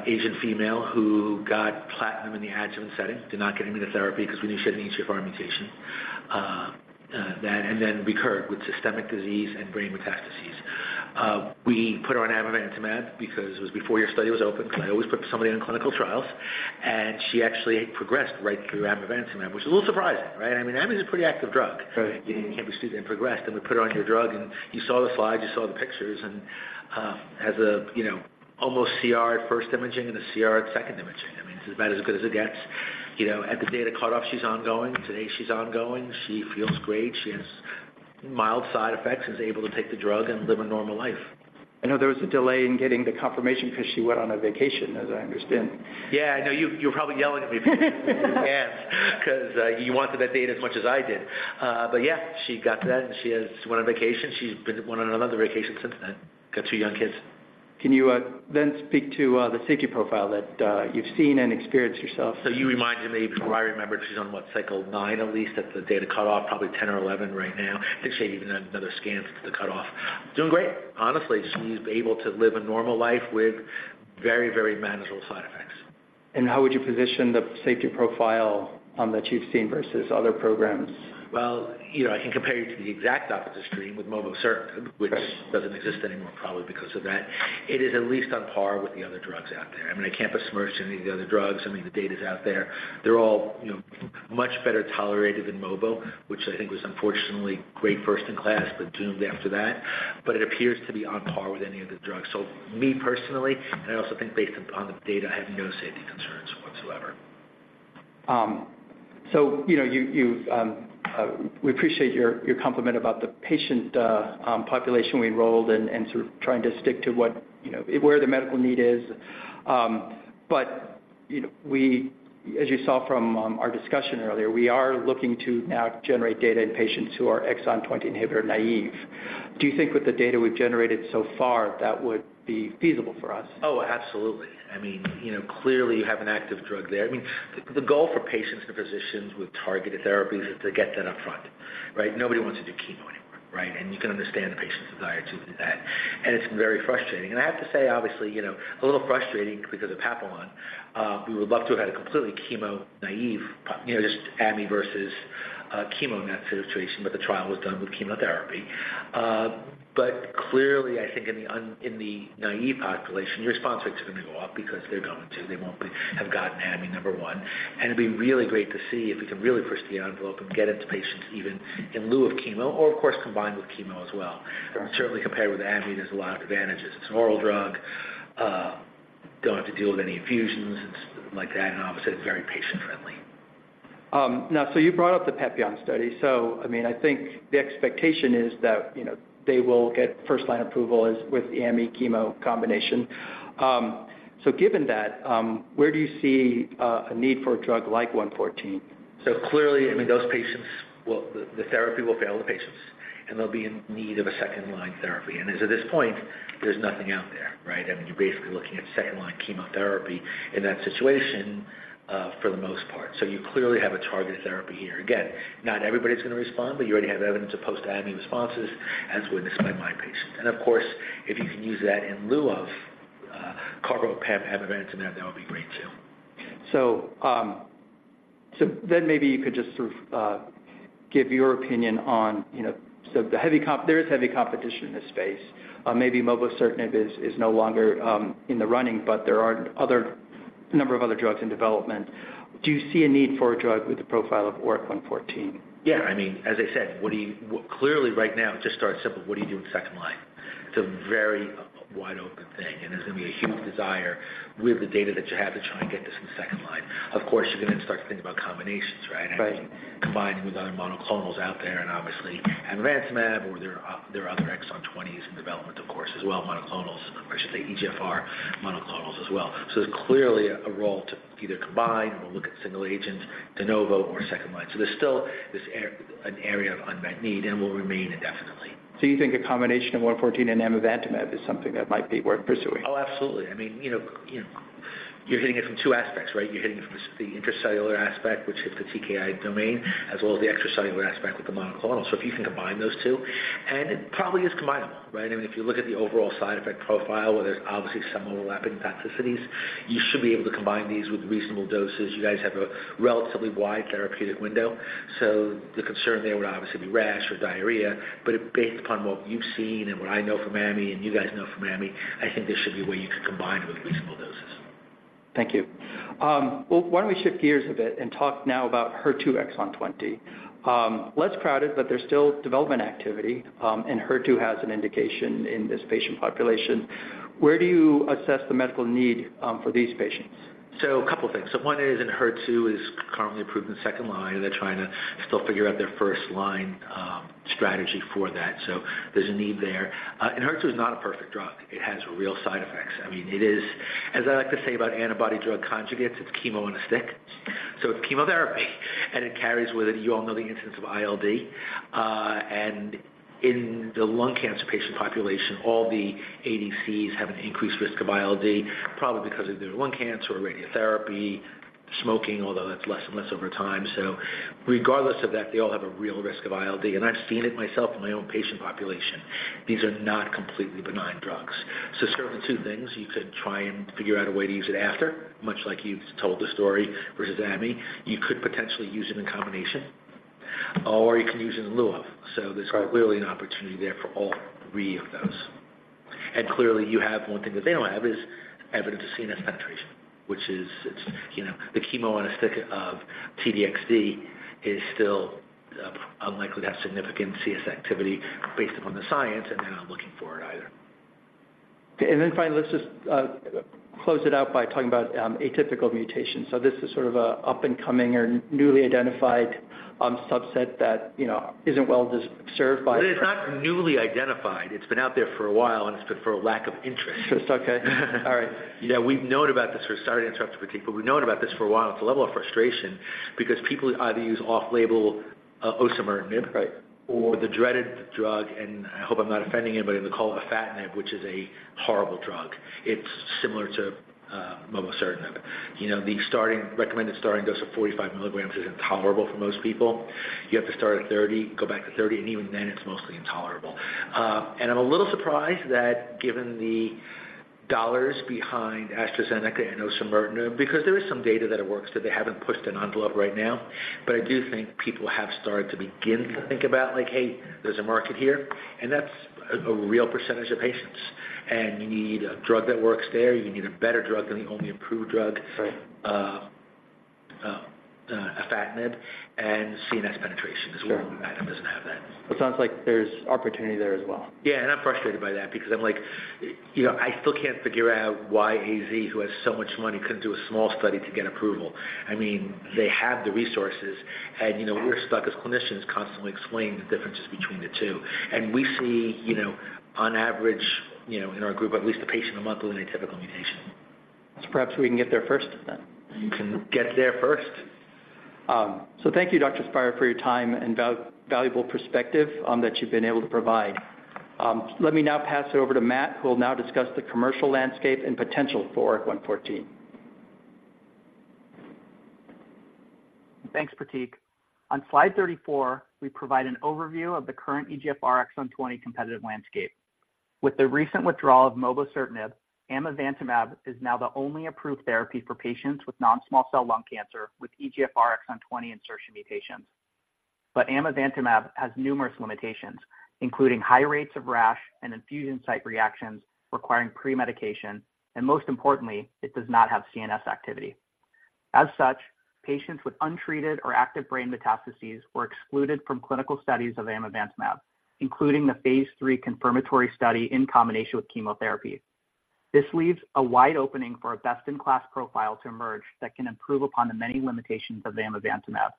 Asian female who got platinum in the adjuvant setting, did not get immunotherapy because we knew she had an EGFR mutation. That and then recurred with systemic disease and brain metastases. We put her on Amivantamab because it was before your study was open, because I always put somebody in clinical trials, and she actually progressed right through Amivantamab, which is a little surprising, right? I mean, Ami is a pretty active drug. Right. And she progressed, and we put her on your drug, and you saw the slides, you saw the pictures, and, as a, you know, almost CR at first imaging and a CR at second imaging. I mean, this is about as good as it gets. You know, at the data cut-off, she's ongoing. Today, she's ongoing. She feels great. She has mild side effects, is able to take the drug and live a normal life. I know there was a delay in getting the confirmation 'cause she went on a vacation, as I understand. Yeah, I know you, you were probably yelling at me. Because you wanted that data as much as I did. But yeah, she got that, and she has went on vacation. She's been on another vacation since then. Got two young kids. Can you then speak to the safety profile that you've seen and experienced yourself? So you reminded me before I remembered she's on what, cycle 9, at least. That's the data cut-off, probably 10 or 11 right now. Actually, even another scan since the cut-off. Doing great. Honestly, she's able to live a normal life with very, very manageable side effects. How would you position the safety profile that you've seen versus other programs? Well, you know, I can compare you to the exact opposite extreme with Mobocertinib, which doesn't exist anymore, probably because of that. It is at least on par with the other drugs out there. I mean, I can't besmirch any of the other drugs. I mean, the data's out there. They're all, you know, much better tolerated than Mobo, which I think was unfortunately great first in class, but doomed after that. But it appears to be on par with any of the drugs. So me personally, and I also think based on the data, I have no safety concerns whatsoever. So, you know, we appreciate your compliment about the patient population we enrolled and sort of trying to stick to what, you know, where the medical need is. But, you know, as you saw from our discussion earlier, we are looking to now generate data in patients who are exon 20 inhibitor naive. Do you think with the data we've generated so far, that would be feasible for us? Oh, absolutely. I mean, you know, clearly you have an active drug there. I mean, the goal for patients and physicians with targeted therapies is to get that upfront, right? Nobody wants to do chemo anymore, right? And you can understand the patient's desire to do that. And it's very frustrating. And I have to say, obviously, you know, a little frustrating because of PAPILLON. We would love to have had a completely chemo naive, you know, just Ami versus, uh, chemo in that situation, but the trial was done with chemotherapy. But clearly, I think in the naive population, your response rates are going to go up because they're going to. They won't be, have gotten ami, number one. It'd be really great to see if we can really push the envelope and get into patients even in lieu of chemo or of course, combined with chemo as well. Right. Certainly compared with ami, there's a lot of advantages. It's an oral drug, don't have to deal with any infusions like that, and obviously, it's very patient friendly. Now, you brought up the PAPILLON study. I mean, I think the expectation is that, you know, they will get first-line approval as with the Ami chemo combination. Given that, where do you see a need for a drug like 114? So clearly, I mean, those patients, the therapy will fail the patients, and they'll be in need of a second-line therapy. And at this point, there's nothing out there, right? I mean, you're basically looking at second-line chemotherapy in that situation, for the most part. So you clearly have a targeted therapy here. Again, not everybody's going to respond, but you already have evidence of post-Ami responses, as witnessed by my patient. And of course, if you can use that in lieu of, cargo pap Amivantamab, that would be great too. So then maybe you could just sort of give your opinion on, you know, the heavy competition in this space. Maybe Mobocertinib is no longer in the running, but there are a number of other drugs in development. Do you see a need for a drug with the profile of ORIC-114? Yeah, I mean, as I said, what do you—clearly right now, it just starts simple. What do you do with second line? It's a very wide-open thing, and there's going to be a huge desire with the data that you have to try and get this in second line. Of course, you're going to start to think about combinations, right? Right. Combining with other monoclonals out there and obviously Amivantamab or there are, there are other exon 20s in development, of course, as well, monoclonals, I should say, EGFR monoclonals as well. So there's clearly a role to either combine or look at single agents, de novo or second line. So there's still this an area of unmet need and will remain indefinitely. So you think a combination of 114 and Amivantamab is something that might be worth pursuing? Oh, absolutely. I mean, you know, you're hitting it from two aspects, right? You're hitting it from the intracellular aspect, which is the TKI domain, as well as the extracellular aspect with the monoclonal. So if you can combine those two, and it probably is combinable, right? I mean, if you look at the overall side effect profile, where there's obviously some overlapping toxicities, you should be able to combine these with reasonable doses. You guys have a relatively wide therapeutic window, so the concern there would obviously be rash or diarrhea, but based upon what you've seen and what I know from ami, and you guys know from ami, I think this should be where you could combine them with reasonable doses. Thank you. Well, why don't we shift gears a bit and talk now about HER2 exon 20. Less crowded, but there's still development activity, and HER2 has an indication in this patient population. Where do you assess the medical need for these patients? So a couple of things. So one is, Enhertu is currently approved in second line, and they're trying to still figure out their first-line strategy for that. So there's a need there. And Enhertu is not a perfect drug. It has real side effects. I mean, it is, as I like to say about antibody drug conjugates, it's chemo on a stick. So it's chemotherapy, and it carries with it, you all know, the instance of ILD. And in the lung cancer patient population, all the ADCs have an increased risk of ILD, probably because of their lung cancer or radiotherapy, smoking, although that's less and less over time. So regardless of that, they all have a real risk of ILD, and I've seen it myself in my own patient population. These are not completely benign drugs. So certainly two things, you could try and figure out a way to use it after, much like you've told the story versus ami. You could potentially use it in combination. Or you can use it in lieu of. So there's clearly an opportunity there for all three of those. And clearly, you have one thing that they don't have, is evidence of CNS penetration, which is, it's, you know, the chemo on a stick of T-DXd is still unlikely to have significant CNS activity based upon the science, and they're not looking for it either. Okay, and then finally, let's just close it out by talking about atypical mutations. So this is sort of a up-and-coming or newly identified subset that, you know, isn't well served by- Well, it's not newly identified. It's been out there for a while, and it's been for a lack of interest. Okay. All right. Yeah, we've known about this. Sorry to interrupt you, Pratik, but we've known about this for a while. It's a level of frustration because people either use off-label Osimertinib- Right or the dreaded drug, and I hope I'm not offending anybody, they call it afatinib, which is a horrible drug. It's similar to, mobocertinib. You know, the starting-- recommended starting dose of 45 milligrams is intolerable for most people. You have to start at 30, go back to 30, and even then, it's mostly intolerable. And I'm a little surprised that given the dollars behind AstraZeneca and Osimertinib, because there is some data that it works, that they haven't pushed the envelope right now. But I do think people have started to begin to think about like, "Hey, there's a market here," and that's a, a real percentage of patients. And you need a drug that works there. You need a better drug than the only approved drug. Right. afatinib and CNS penetration as well. Sure. Amgen doesn't have that. It sounds like there's opportunity there as well. Yeah, and I'm frustrated by that because I'm like, you know, I still can't figure out why AZ, who has so much money, couldn't do a small study to get approval. I mean, they have the resources, and, you know, we're stuck as clinicians, constantly explaining the differences between the two. And we see, you know, on average, you know, in our group, at least a patient a month with an atypical mutation. So perhaps we can get there first then. You can get there first. Thank you, Dr. Spira, for your time and valuable perspective that you've been able to provide. Let me now pass it over to Matt, who will now discuss the commercial landscape and potential for ORIC-114. Thanks, Pratik. On slide 34, we provide an overview of the current EGFR exon 20 competitive landscape. With the recent withdrawal of mobocertinib, Amivantamab is now the only approved therapy for patients with non-small cell lung cancer with EGFR exon 20 insertion mutations. But Amivantamab has numerous limitations, including high rates of rash and infusion site reactions requiring pre-medication, and most importantly, it does not have CNS activity. As such, patients with untreated or active brain metastases were excluded from clinical studies of Amivantamab, including the phase III confirmatory study in combination with chemotherapy. This leaves a wide opening for a best-in-class profile to emerge that can improve upon the many limitations of Amivantamab.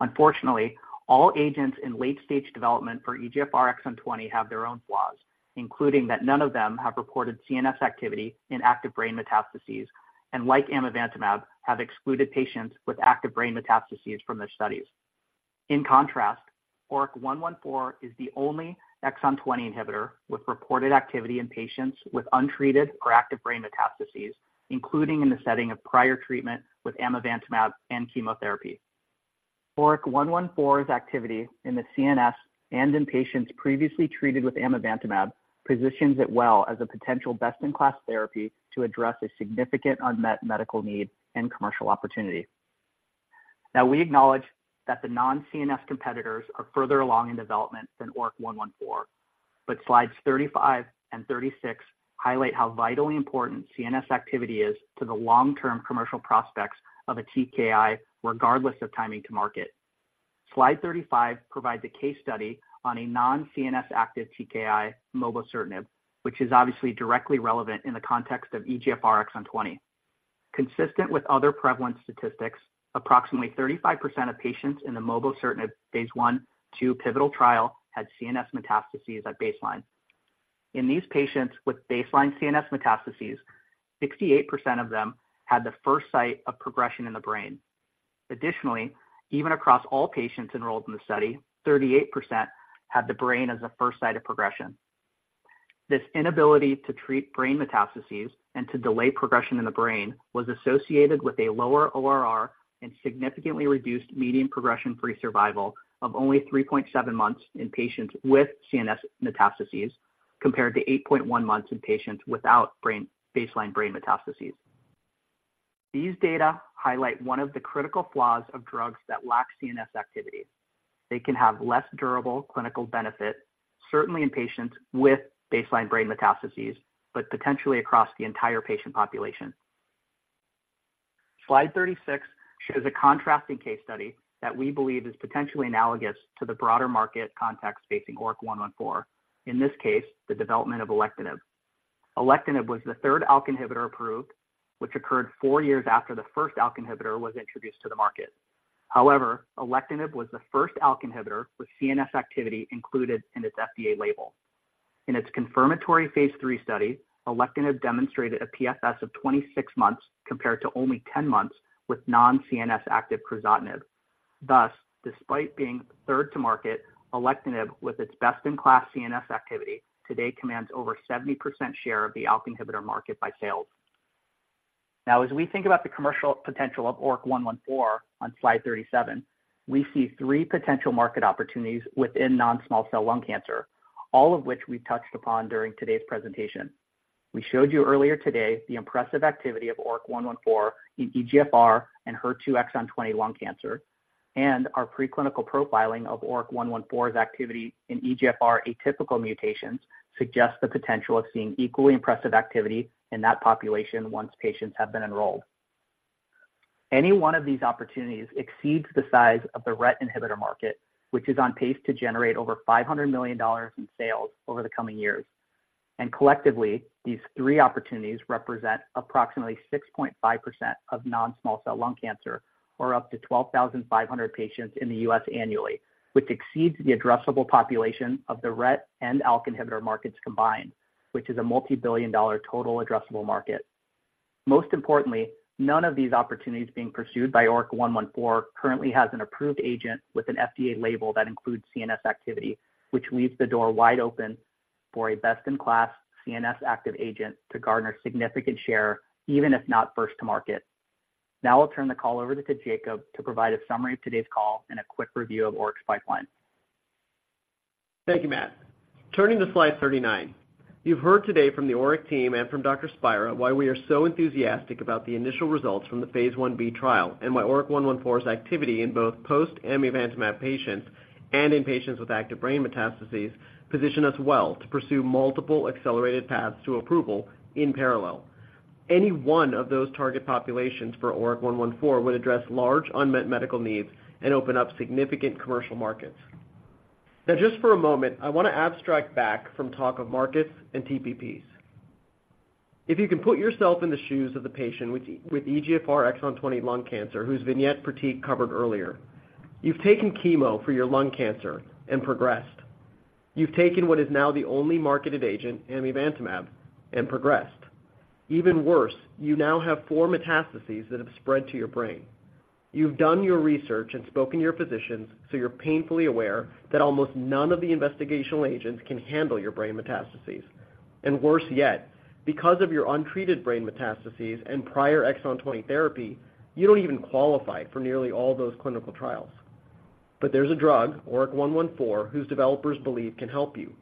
Unfortunately, all agents in late-stage development for EGFR exon 20 have their own flaws, including that none of them have reported CNS activity in active brain metastases, and like Amivantamab, have excluded patients with active brain metastases from their studies. In contrast, ORIC-114 is the only exon 20 inhibitor with reported activity in patients with untreated or active brain metastases, including in the setting of prior treatment with Amivantamab and chemotherapy. ORIC-114's activity in the CNS and in patients previously treated with Amivantamab, positions it well as a potential best-in-class therapy to address a significant unmet medical need and commercial opportunity. Now, we acknowledge that the non-CNS competitors are further along in development than ORIC-114, but slides 35 and 36 highlight how vitally important CNS activity is to the long-term commercial prospects of a TKI, regardless of timing to market. Slide 35 provides a case study on a non-CNS active TKI, mobocertinib, which is obviously directly relevant in the context of EGFR exon 20. Consistent with other prevalent statistics, approximately 35% of patients in the mobocertinib phase I/II pivotal trial had CNS metastases at baseline. In these patients with baseline CNS metastases, 68% of them had the first site of progression in the brain. Additionally, even across all patients enrolled in the study, 38% had the brain as a first site of progression. This inability to treat brain metastases and to delay progression in the brain was associated with a lower ORR and significantly reduced median progression-free survival of only 3.7 months in patients with CNS metastases, compared to 8.1 months in patients without baseline brain metastases. These data highlight one of the critical flaws of drugs that lack CNS activity. They can have less durable clinical benefit, certainly in patients with baseline brain metastases, but potentially across the entire patient population. Slide 36 shows a contrasting case study that we believe is potentially analogous to the broader market context facing ORIC-114. In this case, the development of alectinib. alectinib was the third ALK inhibitor approved, which occurred 4 years after the first ALK inhibitor was introduced to the market. However, alectinib was the first ALK inhibitor with CNS activity included in its FDA label. In its confirmatory phase III study, alectinib demonstrated a PFS of 26 months, compared to only 10 months with non-CNS active crizotinib. Thus, despite being third to market, alectinib, with its best-in-class CNS activity, today commands over 70% share of the ALK inhibitor market by sales. Now, as we think about the commercial potential of ORIC-114 on slide 37, we see three potential market opportunities within non-small cell lung cancer, all of which we've touched upon during today's presentation. We showed you earlier today the impressive activity of ORIC-114 in EGFR and HER2 exon 20 lung cancer, and our preclinical profiling of ORIC-114's activity in EGFR atypical mutations suggests the potential of seeing equally impressive activity in that population once patients have been enrolled. Any one of these opportunities exceeds the size of the RET inhibitor market, which is on pace to generate over $500 million in sales over the coming years. Collectively, these three opportunities represent approximately 6.5% of non-small cell lung cancer, or up to 12,500 patients in the U.S. annually, which exceeds the addressable population of the RET and ALK inhibitor markets combined, which is a multibillion-dollar total addressable market. Most importantly, none of these opportunities being pursued by ORIC-114 currently has an approved agent with an FDA label that includes CNS activity, which leaves the door wide open for a best-in-class CNS active agent to garner significant share, even if not first to market. Now I'll turn the call over to Jacob to provide a summary of today's call and a quick review of ORIC's pipeline. Thank you, Matt. Turning to slide 39. You've heard today from the ORIC team and from Dr. Spira why we are so enthusiastic about the initial results from the phase 1b trial, and why ORIC-114's activity in both post-Amivantamab patients and in patients with active brain metastases position us well to pursue multiple accelerated paths to approval in parallel. Any one of those target populations for ORIC-114 would address large unmet medical needs and open up significant commercial markets. Now, just for a moment, I want to abstract back from talk of markets and TPPs. If you can put yourself in the shoes of the patient with EGFR exon 20 lung cancer, whose vignette Pratik covered earlier. You've taken chemo for your lung cancer and progressed. You've taken what is now the only marketed agent, Amivantamab, and progressed. Even worse, you now have 4 metastases that have spread to your brain. You've done your research and spoken to your physicians, so you're painfully aware that almost none of the investigational agents can handle your brain metastases. And worse yet, because of your untreated brain metastases and prior exon 20 therapy, you don't even qualify for nearly all those clinical trials. But there's a drug, ORIC-114, whose developers believe can help you.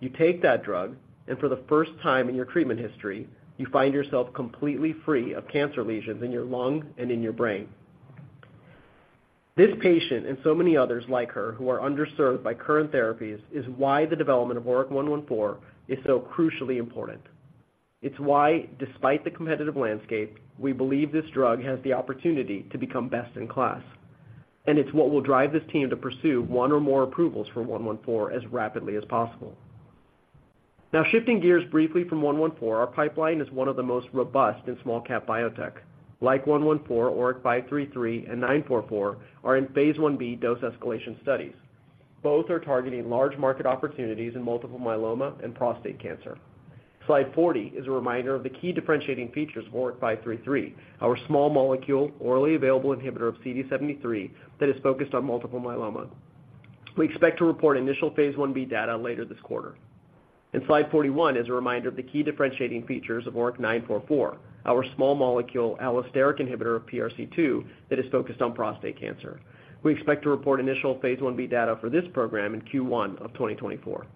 You take that drug, and for the first time in your treatment history, you find yourself completely free of cancer lesions in your lung and in your brain. This patient and so many others like her, who are underserved by current therapies, is why the development of ORIC-114 is so crucially important. It's why, despite the competitive landscape, we believe this drug has the opportunity to become best in class. It's what will drive this team to pursue one or more approvals for ORIC-114 as rapidly as possible. Now, shifting gears briefly from ORIC-114, our pipeline is one of the most robust in small cap biotech. Like ORIC-114, ORIC-533 and ORIC-944 are in phase 1b dose escalation studies. Both are targeting large market opportunities in multiple myeloma and prostate cancer. Slide 40 is a reminder of the key differentiating features of ORIC-533, our small molecule, orally available inhibitor of CD73, that is focused on multiple myeloma. We expect to report initial phase 1b data later this quarter. Slide 41 is a reminder of the key differentiating features of ORIC-944, our small molecule allosteric inhibitor of PRC2, that is focused on prostate cancer. We expect to report initial phase 1b data for this program in Q1 of 2024.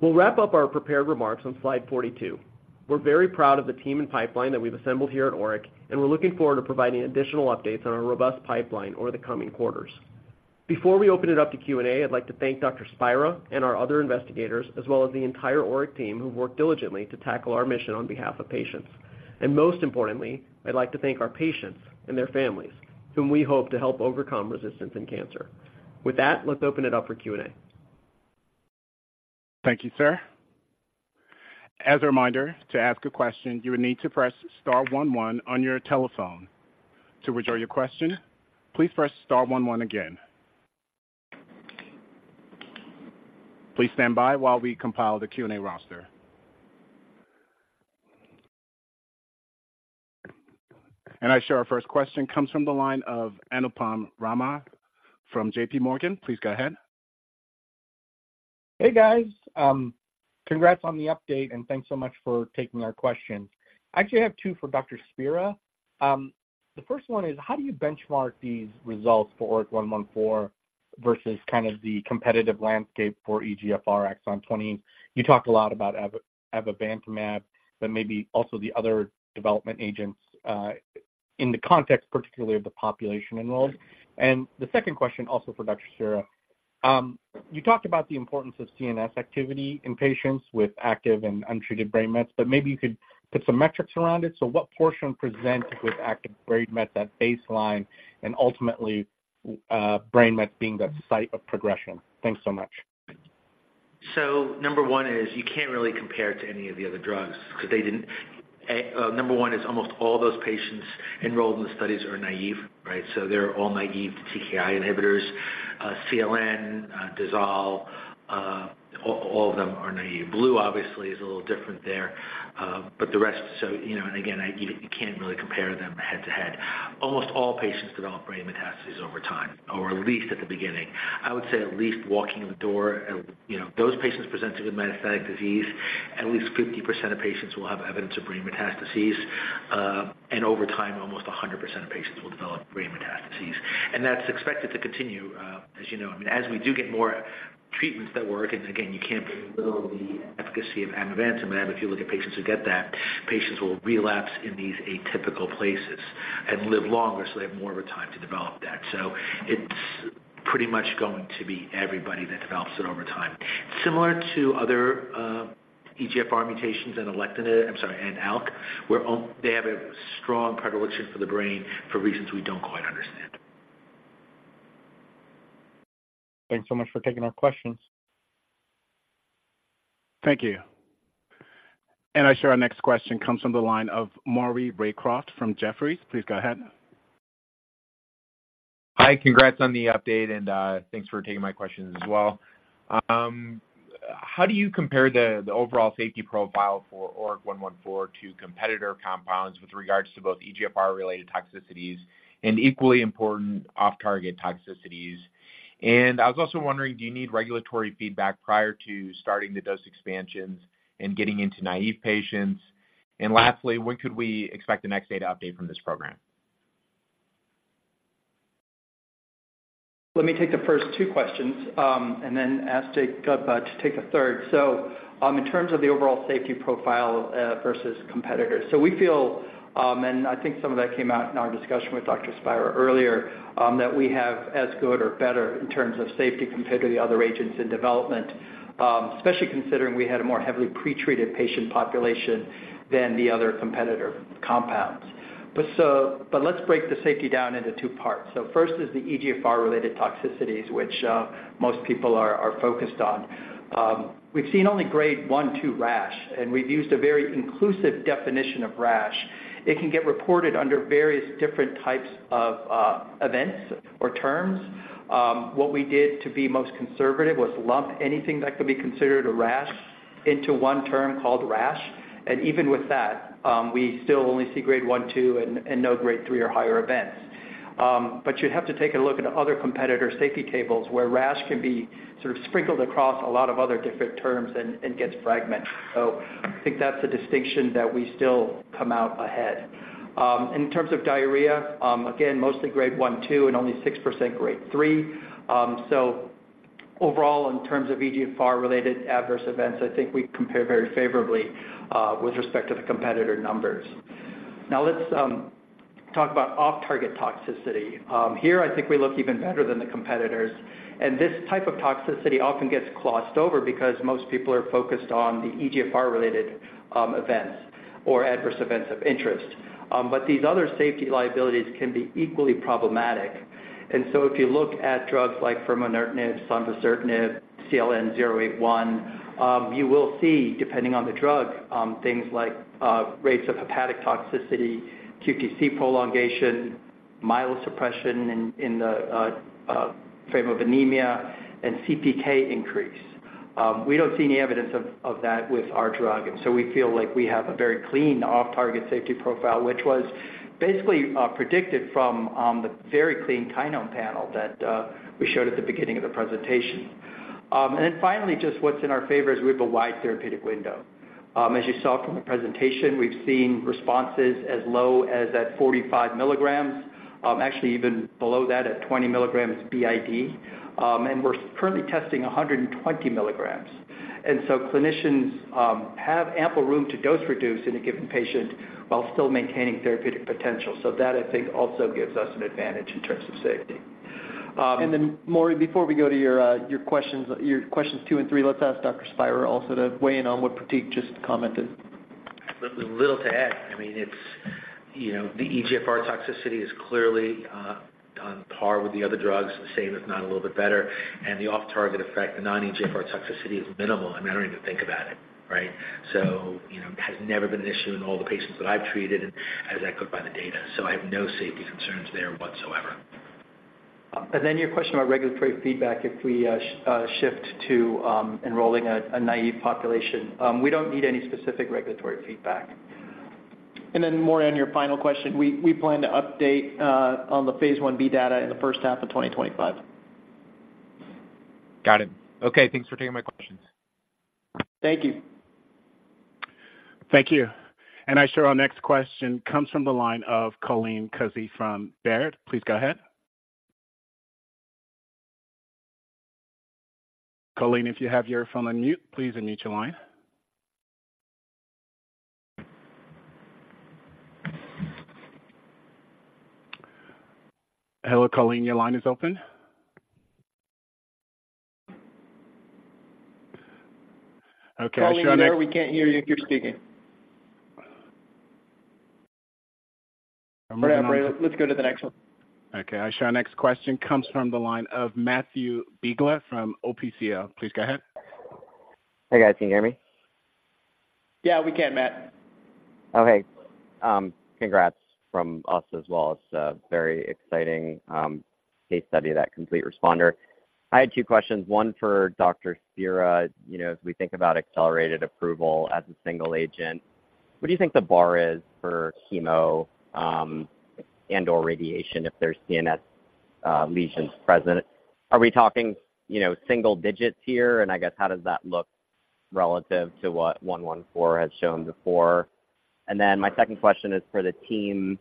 We'll wrap up our prepared remarks on slide 42. We're very proud of the team and pipeline that we've assembled here at ORIC, and we're looking forward to providing additional updates on our robust pipeline over the coming quarters. Before we open it up to Q&A, I'd like to thank Dr. Spira and our other investigators, as well as the entire ORIC team, who've worked diligently to tackle our mission on behalf of patients. And most importantly, I'd like to thank our patients and their families, whom we hope to help overcome resistance in cancer. With that, let's open it up for Q&A. Thank you, sir. As a reminder, to ask a question, you would need to press star one one on your telephone. To withdraw your question, please press star one one again. Please stand by while we compile the Q&A roster. And I show our first question comes from the line of Anupam Rama from J.P. Morgan. Please go ahead. Hey, guys. Congrats on the update, and thanks so much for taking our questions. I actually have two for Dr. Spira. The first one is, how do you benchmark these results for ORIC-114 versus kind of the competitive landscape for EGFR exon 20? You talked a lot about [ava], Amivantamab, but maybe also the other development agents in the context, particularly of the population enrolled. And the second question, also for Dr. Spira. You talked about the importance of CNS activity in patients with active and untreated brain mets, but maybe you could put some metrics around it. So what portion presented with active brain mets at baseline and ultimately, brain mets being the site of progression? Thanks so much. So number one is, you can't really compare to any of the other drugs because they didn't. Number one is almost all those patients enrolled in the studies are naive, right? So they're all naive to TKI inhibitors, CLN, Dizal, all of them are naive. Blue obviously is a little different there, but the rest, so, you know, and again, you can't really compare them head-to-head. Almost all patients develop brain metastases over time, or at least at the beginning. I would say at least walking in the door, you know, those patients presented with metastatic disease, at least 50% of patients will have evidence of brain metastases. And over time, almost 100% of patients will develop brain metastases. And that's expected to continue. As you know, I mean, as we do get more treatments that work, and again, you can't belittle the efficacy of Amivantamab, if you look at patients who get that, patients will relapse in these atypical places and live longer, so they have more of a time to develop that. So it's pretty much going to be everybody that develops it over time. Similar to other EGFR mutations and ALK, where they have a strong predilection for the brain for reasons we don't quite understand. Thanks so much for taking our questions. Thank you. And I show our next question comes from the line of Maury Raycroft from Jefferies. Please go ahead. Hi, congrats on the update, and, thanks for taking my questions as well. How do you compare the overall safety profile for ORIC-114 to competitor compounds with regards to both EGFR-related toxicities and equally important off-target toxicities? I was also wondering, do you need regulatory feedback prior to starting the dose expansions and getting into naive patients? Lastly, when could we expect the next data update from this program? Let me take the first two questions, and then take a third. So, in terms of the overall safety profile versus competitors. So we feel, and I think some of that came out in our discussion with Dr. Spira earlier, that we have as good or better in terms of safety compared to the other agents in development, especially considering we had a more heavily pretreated patient population than the other competitor compounds. But let's break the safety down into two parts. So first is the EGFR-related toxicities, which most people are focused on. We've seen only grade 1-2 rash, and we've used a very inclusive definition of rash. It can get reported under various different types of events or terms. What we did to be most conservative was lump anything that could be considered a rash into one term called rash, and even with that, we still only see grade one, two, and, and no grade three or higher events. But you'd have to take a look at other competitor safety tables, where rash can be sort of sprinkled across a lot of other different terms and, and gets fragmented. So I think that's a distinction that we still come out ahead. In terms of diarrhea, again, mostly grade one, two, and only 6% grade three. So overall, in terms of EGFR-related adverse events, I think we compare very favorably, with respect to the competitor numbers. Now, let's talk about off-target toxicity. Here, I think we look even better than the competitors, and this type of toxicity often gets glossed over because most people are focused on the EGFR-related events or adverse events of interest. But these other safety liabilities can be equally problematic. And so if you look at drugs like Furmonertinib, Sunvozertinib, CLN-081, you will see, depending on the drug, things like rates of hepatic toxicity, QTc prolongation, myelosuppression in the frame of anemia, and CPK increase. We don't see any evidence of that with our drug, and so we feel like we have a very clean off-target safety profile, which was basically predicted from the very clean kinome panel that we showed at the beginning of the presentation. And then finally, just what's in our favor is we have a wide therapeutic window. As you saw from the presentation, we've seen responses as low as at 45 milligrams, actually even below that at 20 milligrams BID. And we're currently testing 120 milligrams. And so clinicians have ample room to dose reduce in a given patient while still maintaining therapeutic potential. So that, I think, also gives us an advantage in terms of safety. Maury, before we go to your, your questions, your questions two and three, let's ask Dr. Spira also to weigh in on what Pratik just commented. Little to add. I mean, it's, you know, the EGFR toxicity is clearly on par with the other drugs, the same, if not a little bit better. And the off-target effect, the non-EGFR toxicity, is minimal. I mean, I don't even think about it, right? So, you know, has never been an issue in all the patients that I've treated, as echoed by the data. So I have no safety concerns there whatsoever. And then your question about regulatory feedback, if we shift to enrolling a naive population. We don't need any specific regulatory feedback. And then, Maury, on your final question, we plan to update on the phase 1b data in the first half of 2025. Got it. Okay, thanks for taking my questions. Thank you. Thank you. I show our next question comes from the line of Colleen Kusy from Baird. Please go ahead. Colleen, if you have your phone on mute, please unmute your line. Hello, Colleen, your line is open? Okay, I show- Colleen, you're there, we can't hear you. Keep speaking. I'm going to- Let's go to the next one. Okay, I show our next question comes from the line of Matthew Biegler from OpCo. Please go ahead. Hey, guys, can you hear me? Yeah, we can, Matt. Oh, hey. Congrats from us as well. It's a very exciting case study, that complete responder. I had two questions, one for Dr. Spira. You know, as we think about accelerated approval as a single agent, what do you think the bar is for chemo and/or radiation if there's CNS lesions present? Are we talking, you know, single digits here? And I guess, how does that look-... relative to what ORIC-114 has shown before? And then my second question is for the team.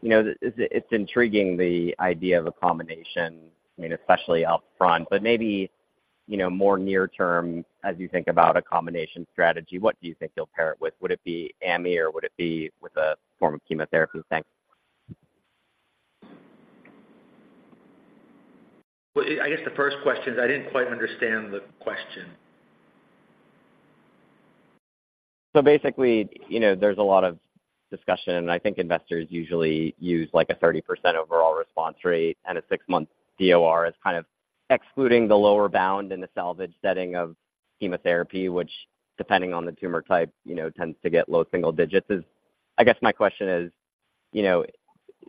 You know, it's, it's intriguing, the idea of a combination, I mean, especially up front, but maybe, you know, more near term as you think about a combination strategy, what do you think you'll pair it with? Would it be Amivantamab, or would it be with a form of chemotherapy? Thanks. Well, I, I guess the first question is, I didn't quite understand the question. So basically, you know, there's a lot of discussion, and I think investors usually use, like, a 30% overall response rate and a 6-month DOR as kind of excluding the lower bound in the salvage setting of chemotherapy, which, depending on the tumor type, you know, tends to get low single digits. Is, I guess my question is, you know,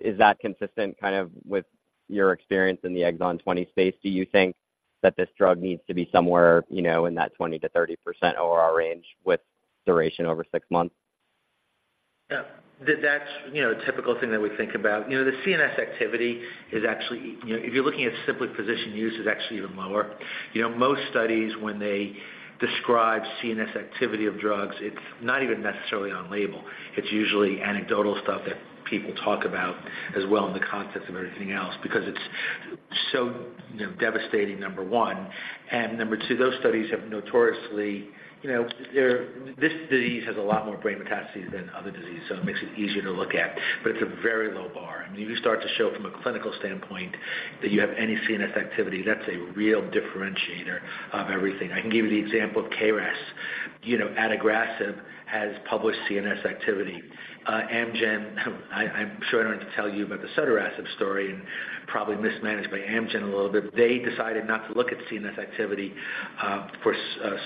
is that consistent kind of with your experience in the exon twenty space? Do you think that this drug needs to be somewhere, you know, in that 20%-30% OR range with duration over 6 months? Yeah. That's, you know, a typical thing that we think about. You know, the CNS activity is actually, you know, if you're looking at simply physician use, is actually even lower. You know, most studies, when they describe CNS activity of drugs, it's not even necessarily on label. It's usually anecdotal stuff that people talk about as well in the context of everything else, because it's so, you know, devastating, number one, and number two, those studies have notoriously, you know, this disease has a lot more brain metastases than other diseases, so it makes it easier to look at, but it's a very low bar. I mean, you start to show from a clinical standpoint that you have any CNS activity, that's a real differentiator of everything. I can give you the example of KRAS. You know, adagrasib has published CNS activity. Amgen, I'm sure I don't have to tell you, but the sotorasib story and probably mismanaged by Amgen a little bit, they decided not to look at CNS activity, for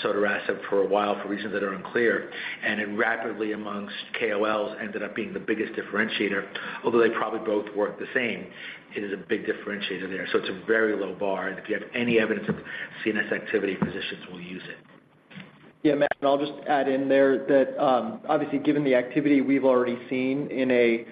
sotorasib for a while, for reasons that are unclear, and it rapidly, among KOLs, ended up being the biggest differentiator, although they probably both work the same. It is a big differentiator there. So it's a very low bar, and if you have any evidence of CNS activity, physicians will use it. Yeah, Matt, and I'll just add in there that, obviously, given the activity we've already seen in a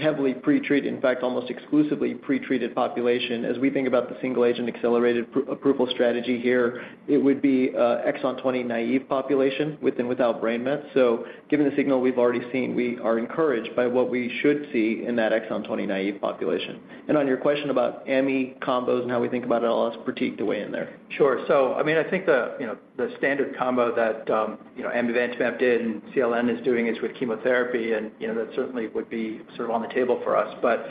heavily pretreated, in fact, almost exclusively pretreated population, as we think about the single agent accelerated approval strategy here, it would be a exon 20 naive population with and without brain mets. So given the signal we've already seen, we are encouraged by what we should see in that exon 20 naive population. And on your question about Ami combos and how we think about it, I'll ask Pratik to weigh in there. Sure. So, I mean, I think the, you know, the standard combo that you know, Amivantamab did and CLN is doing is with chemotherapy, and, you know, that certainly would be sort of on the table for us. But,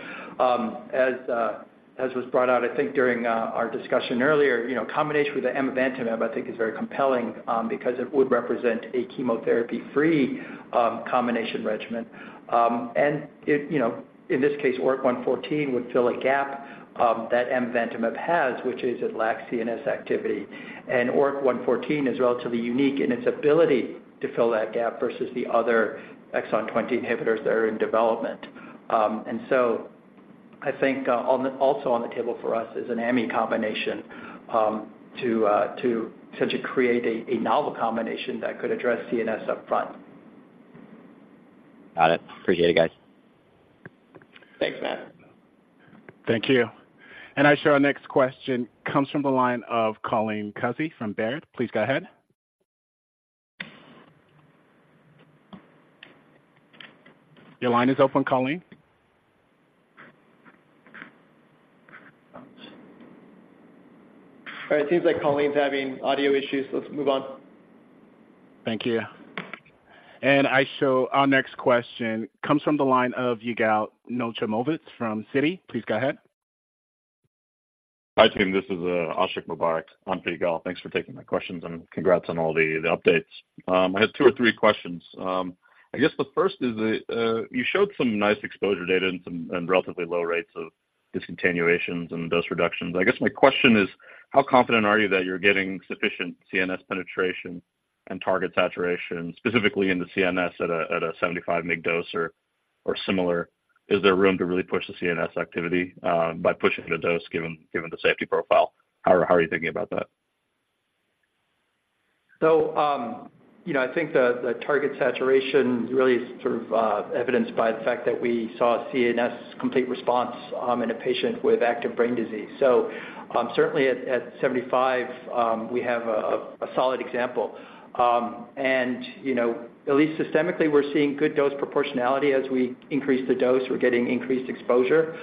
as was brought out, I think, during our discussion earlier, you know, combination with Amivantamab, I think is very compelling, because it would represent a chemotherapy-free combination regimen. And you know, in this case, ORIC-114 would fill a gap that Amivantamab has, which is it lacks CNS activity. And ORIC-114 is relatively unique in its ability to fill that gap versus the other exon 20 inhibitors that are in development. So I think, also on the table for us is an Amivantamab combination to essentially create a novel combination that could address CNS up front. Got it. Appreciate it, guys. Thanks, Matt. Thank you. I show our next question comes from the line of Colleen Kusy from Baird. Please go ahead. Your line is open, Colleen. All right, it seems like Colleen's having audio issues, let's move on. Thank you. And I show our next question comes from the line of Yigal Nochomovitz from Citi. Please go ahead. Hi, team, this is Ashiq Mubarack. I'm Yigal. Thanks for taking my questions, and congrats on all the updates. I had two or three questions. I guess the first is that you showed some nice exposure data and relatively low rates of discontinuations and dose reductions. I guess my question is, how confident are you that you're getting sufficient CNS penetration and target saturation, specifically in the CNS at a 75 mg dose or similar? Is there room to really push the CNS activity by pushing the dose, given the safety profile? How are you thinking about that? So, you know, I think the, the target saturation really is sort of, evidenced by the fact that we saw a CNS complete response, in a patient with active brain disease. So, certainly at, at 75, we have a, a solid example. And, you know, at least systemically, we're seeing good dose proportionality. As we increase the dose, we're getting increased exposure.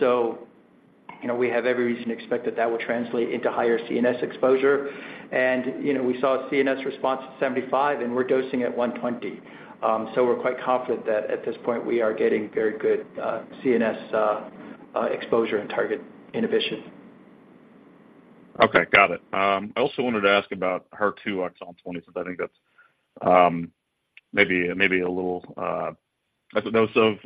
So, you know, we have every reason to expect that that will translate into higher CNS exposure. And, you know, we saw a CNS response at 75, and we're dosing at 120. So we're quite confident that at this point, we are getting very good, CNS, exposure and target inhibition. Okay, got it. I also wanted to ask about HER2 exon 20, because I think that's maybe, maybe a little as a dose of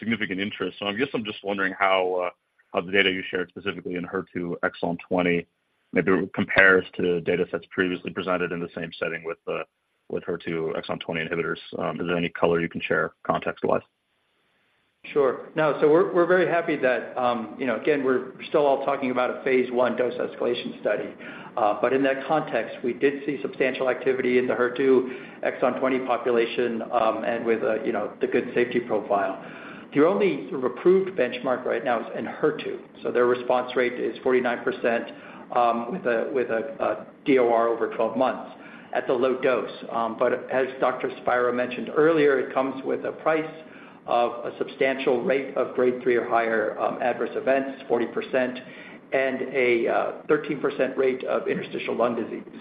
significant interest. So I guess I'm just wondering how how the data you shared specifically in HER2 exon 20 maybe compares to data sets previously presented in the same setting with the, with HER2 exon 20 inhibitors. Is there any color you can share context-wise?... Sure. No, so we're very happy that, you know, again, we're still all talking about a phase 1 dose-escalation study. But in that context, we did see substantial activity in the HER2 exon 20 population, and with, you know, the good safety profile. The only sort of approved benchmark right now is in HER2, so their response rate is 49%, with a DOR over 12 months at the low dose. But as Dr. Spira mentioned earlier, it comes with a price of a substantial rate of grade 3 or higher adverse events, 40%, and a 13% rate of interstitial lung disease.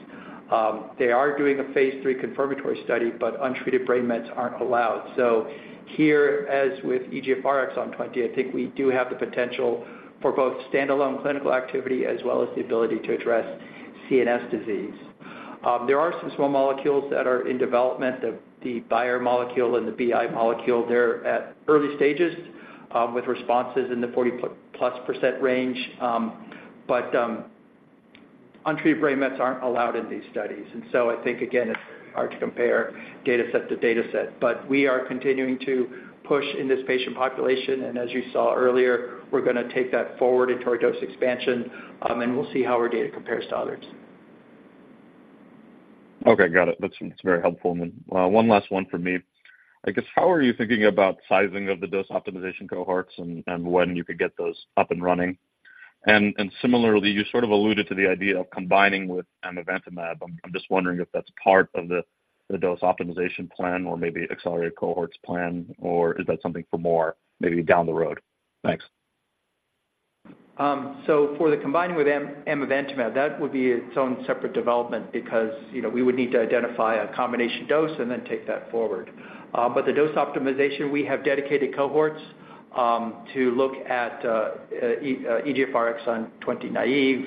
They are doing a phase 3 confirmatory study, but untreated brain mets aren't allowed. So here, as with EGFR exon 20, I think we do have the potential for both standalone clinical activity as well as the ability to address CNS disease. There are some small molecules that are in development, the Bayer molecule and the BI molecule, they're at early stages, with responses in the 40+% range. But untreated brain mets aren't allowed in these studies. And so I think, again, it's hard to compare dataset to dataset. But we are continuing to push in this patient population, and as you saw earlier, we're gonna take that forward into our dose expansion, and we'll see how our data compares to others. Okay, got it. That's, that's very helpful. And then, one last one for me. I guess, how are you thinking about sizing of the dose optimization cohorts and, and when you could get those up and running? And, and similarly, you sort of alluded to the idea of combining with Amivantamab. I'm, I'm just wondering if that's part of the, the dose optimization plan or maybe accelerated cohorts plan, or is that something for more maybe down the road? Thanks. So, for the combining with Amivantamab, that would be its own separate development because, you know, we would need to identify a combination dose and then take that forward. But the dose optimization, we have dedicated cohorts to look at EGFR exon 20 naive,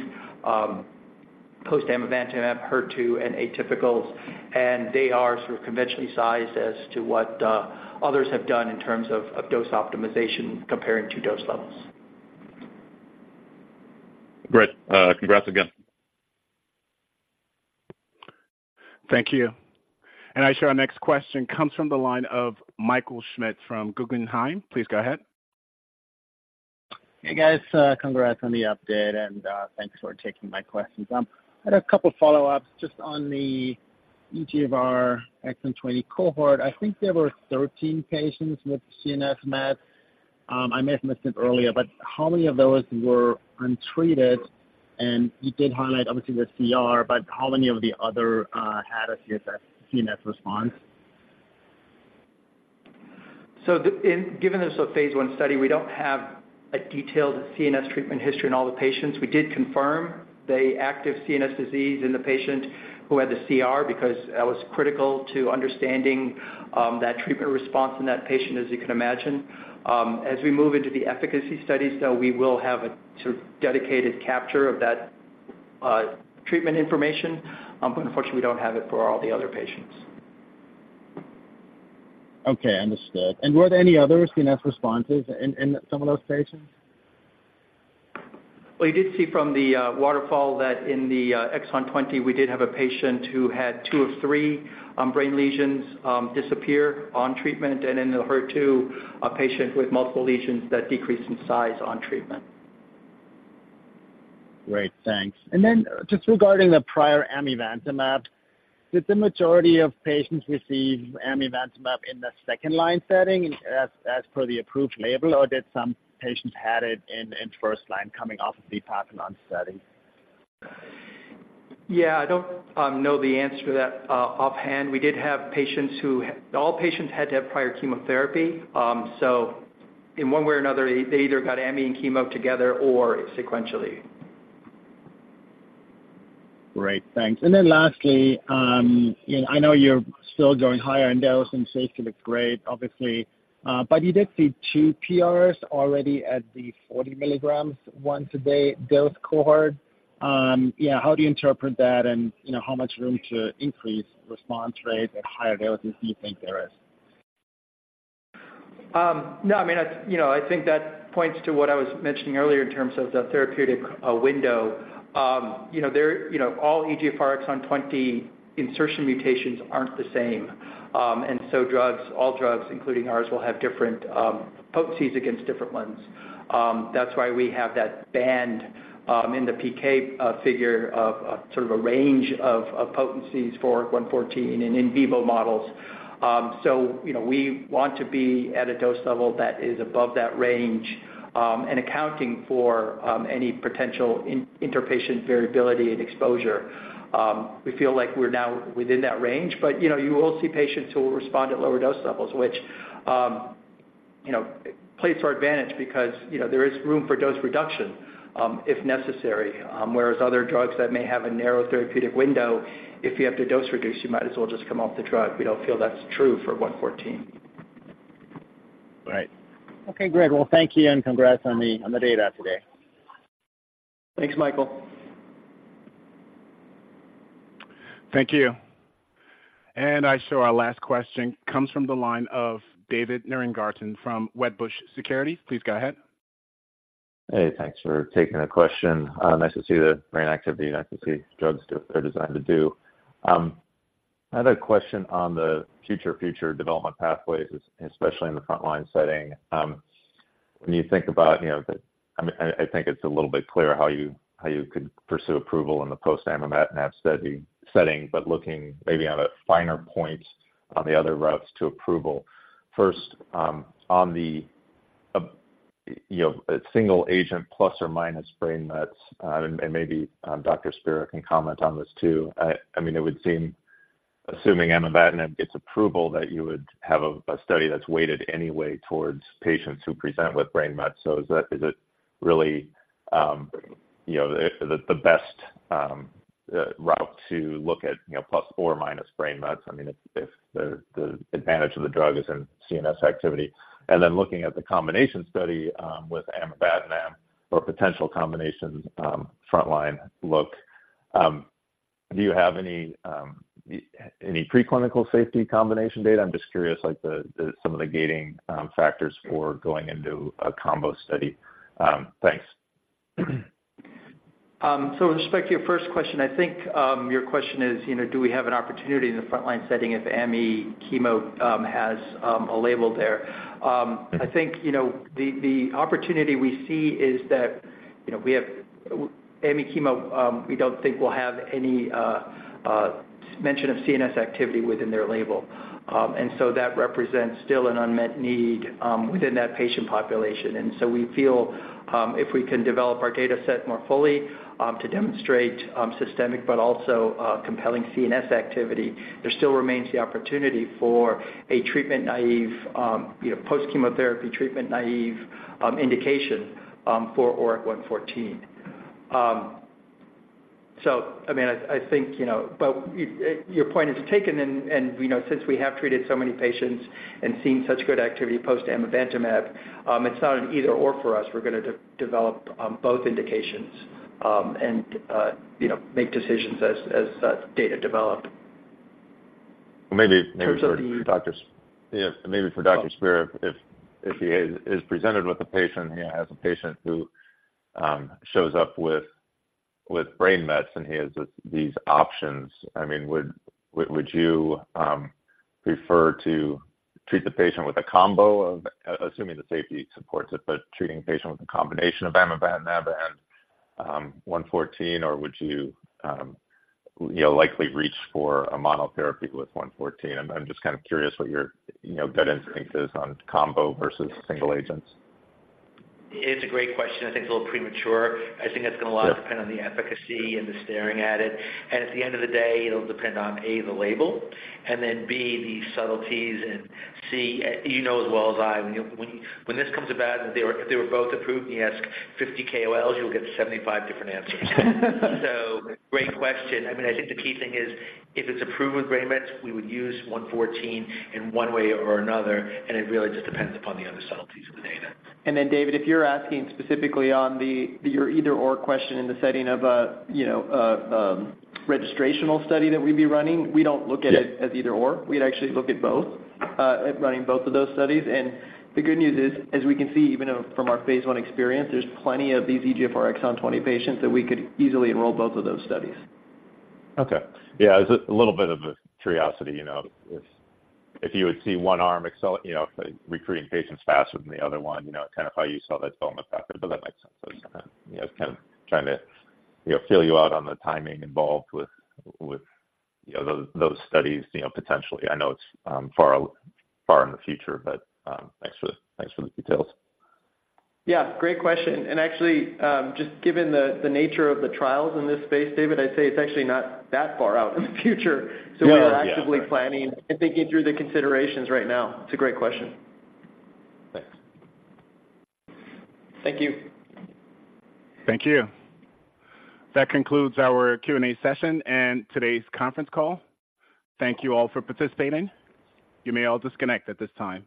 post Amivantamab, HER2, and atypicals, and they are sort of conventionally sized as to what others have done in terms of of dose optimization comparing 2 dose levels. Great. Congrats again. Thank you. Our next question comes from the line of Michael Schmidt from Guggenheim. Please go ahead. Hey, guys, congrats on the update, and thanks for taking my questions. I had a couple follow-ups just on the EGFR exon 20 cohort. I think there were 13 patients with CNS mets. I may have missed it earlier, but how many of those were untreated? And you did highlight, obviously, the CR, but how many of the others had a CNS response? Given this, a phase 1 study, we don't have a detailed CNS treatment history in all the patients. We did confirm the active CNS disease in the patient who had the CR, because that was critical to understanding that treatment response in that patient, as you can imagine. As we move into the efficacy studies, though, we will have a sort of dedicated capture of that treatment information, but unfortunately, we don't have it for all the other patients. Okay, understood. And were there any other CNS responses in some of those patients? Well, you did see from the waterfall that in the exon 20, we did have a patient who had 2 of 3 brain lesions disappear on treatment, and in the HER2, a patient with multiple lesions that decreased in size on treatment. Great, thanks. Then just regarding the prior Amivantamab, did the majority of patients receive Amivantamab in the second-line setting as per the approved label, or did some patients had it in first line coming off of the [TOPAZ-Mon study]? Yeah, I don't know the answer to that offhand. We did have patients. All patients had to have prior chemotherapy. So in one way or another, they either got Ami and chemo together or sequentially. Great, thanks. And then lastly, you know, I know you're still going higher in dose and safety looks great, obviously, but you did see two PRs already at the 40 milligrams once a day dose cohort. Yeah, how do you interpret that, and you know, how much room to increase response rate at higher doses do you think there is? No, I mean, that's, you know, I think that points to what I was mentioning earlier in terms of the therapeutic window. You know, there, you know, all EGFR exon 20 insertion mutations aren't the same. And so drugs, all drugs, including ours, will have different potencies against different ones. That's why we have that band in the PK figure of sort of a range of potencies for ORIC-114 and in vivo models. So, you know, we want to be at a dose level that is above that range and accounting for any potential interpatient variability and exposure. We feel like we're now within that range, but, you know, you will see patients who will respond at lower dose levels, which, you know, plays to our advantage because, you know, there is room for dose reduction, if necessary. Whereas other drugs that may have a narrow therapeutic window, if you have to dose reduce, you might as well just come off the drug. We don't feel that's true for ORIC-114. Right. Okay, great. Well, thank you, and congrats on the, on the data today. Thanks, Michael. Thank you. And I show our last question comes from the line of David Nierengarten from Wedbush Securities. Please go ahead.... Hey, thanks for taking the question. Nice to see the brain activity, nice to see drugs do what they're designed to do. I had a question on the future development pathways, especially in the frontline setting. When you think about, you know, I mean, I think it's a little bit clear how you could pursue approval in the post Amivantamab study setting, but looking maybe on a finer point on the other routes to approval. First, on the, you know, single agent plus or minus brain mets, and maybe Dr. Spira can comment on this too. I mean, it would seem, assuming Amivantamab gets approval, that you would have a study that's weighted anyway towards patients who present with brain mets. So is that, is it really, you know, the best route to look at, you know, plus or minus brain mets, I mean, if the advantage of the drug is in CNS activity? And then looking at the combination study with Amivantamab or potential combinations, frontline look, do you have any preclinical safety combination data? I'm just curious, like, some of the gating factors for going into a combo study. Thanks. So with respect to your first question, I think, your question is, you know, do we have an opportunity in the frontline setting if Ami chemo has a label there? I think, you know, the opportunity we see is that, you know, we have, Ami chemo, we don't think will have any mention of CNS activity within their label. And so that represents still an unmet need within that patient population. And so we feel, if we can develop our dataset more fully, to demonstrate, systemic but also compelling CNS activity, there still remains the opportunity for a treatment-naive, you know, post-chemotherapy treatment-naive, indication, for ORIC-114. So I mean, I think, you know... But your point is taken, and you know, since we have treated so many patients and seen such good activity post Amivantamab, it's not an either/or for us. We're gonna develop both indications, and you know, make decisions as that data develop. Maybe- In terms of the- For Dr. Spira. Yeah. Maybe for Dr. Spira, if he is presented with a patient who shows up with brain mets, and he has these options, I mean, would you prefer to treat the patient with a combo of, assuming the safety supports it, but treating the patient with a combination of Amivantamab and one fourteen? Or would you, you know, likely reach for a monotherapy with one fourteen? I'm just kind of curious what your, you know, gut instinct is on combo versus single agents. It's a great question. I think it's a little premature. I think that's gonna a lot- Yeah... depend on the efficacy and the staring at it. At the end of the day, it'll depend on, A, the label, and then, B, the subtleties, and C, you know as well as I, when this comes about, and if they were both approved, and you ask 50 KOLs, you'll get 75 different answers. So great question. I mean, I think the key thing is if it's approved with brain mets, we would use one fourteen in one way or another, and it really just depends upon the other subtleties of the data. And then, David, if you're asking specifically on the either/or question in the setting of a, you know, a registrational study that we'd be running, we don't look at it- Yeah... as either/or. We'd actually look at both, at running both of those studies. And the good news is, as we can see, even from our phase 1 experience, there's plenty of these EGFR exon 20 patients that we could easily enroll both of those studies. Okay. Yeah, it's a little bit of a curiosity, you know, if you would see one arm excel, you know, recruiting patients faster than the other one, you know, kind of how you saw that development factor, but that makes sense. So, yeah, kind of trying to, you know, feel you out on the timing involved with, you know, those studies, you know, potentially. I know it's far out, far in the future, but thanks for the details. Yeah, great question. Actually, just given the nature of the trials in this space, David, I'd say it's actually not that far out in the future. No, yeah. We are actively planning and thinking through the considerations right now. It's a great question. Thanks. Thank you. Thank you. That concludes our Q&A session and today's conference call. Thank you all for participating. You may all disconnect at this time.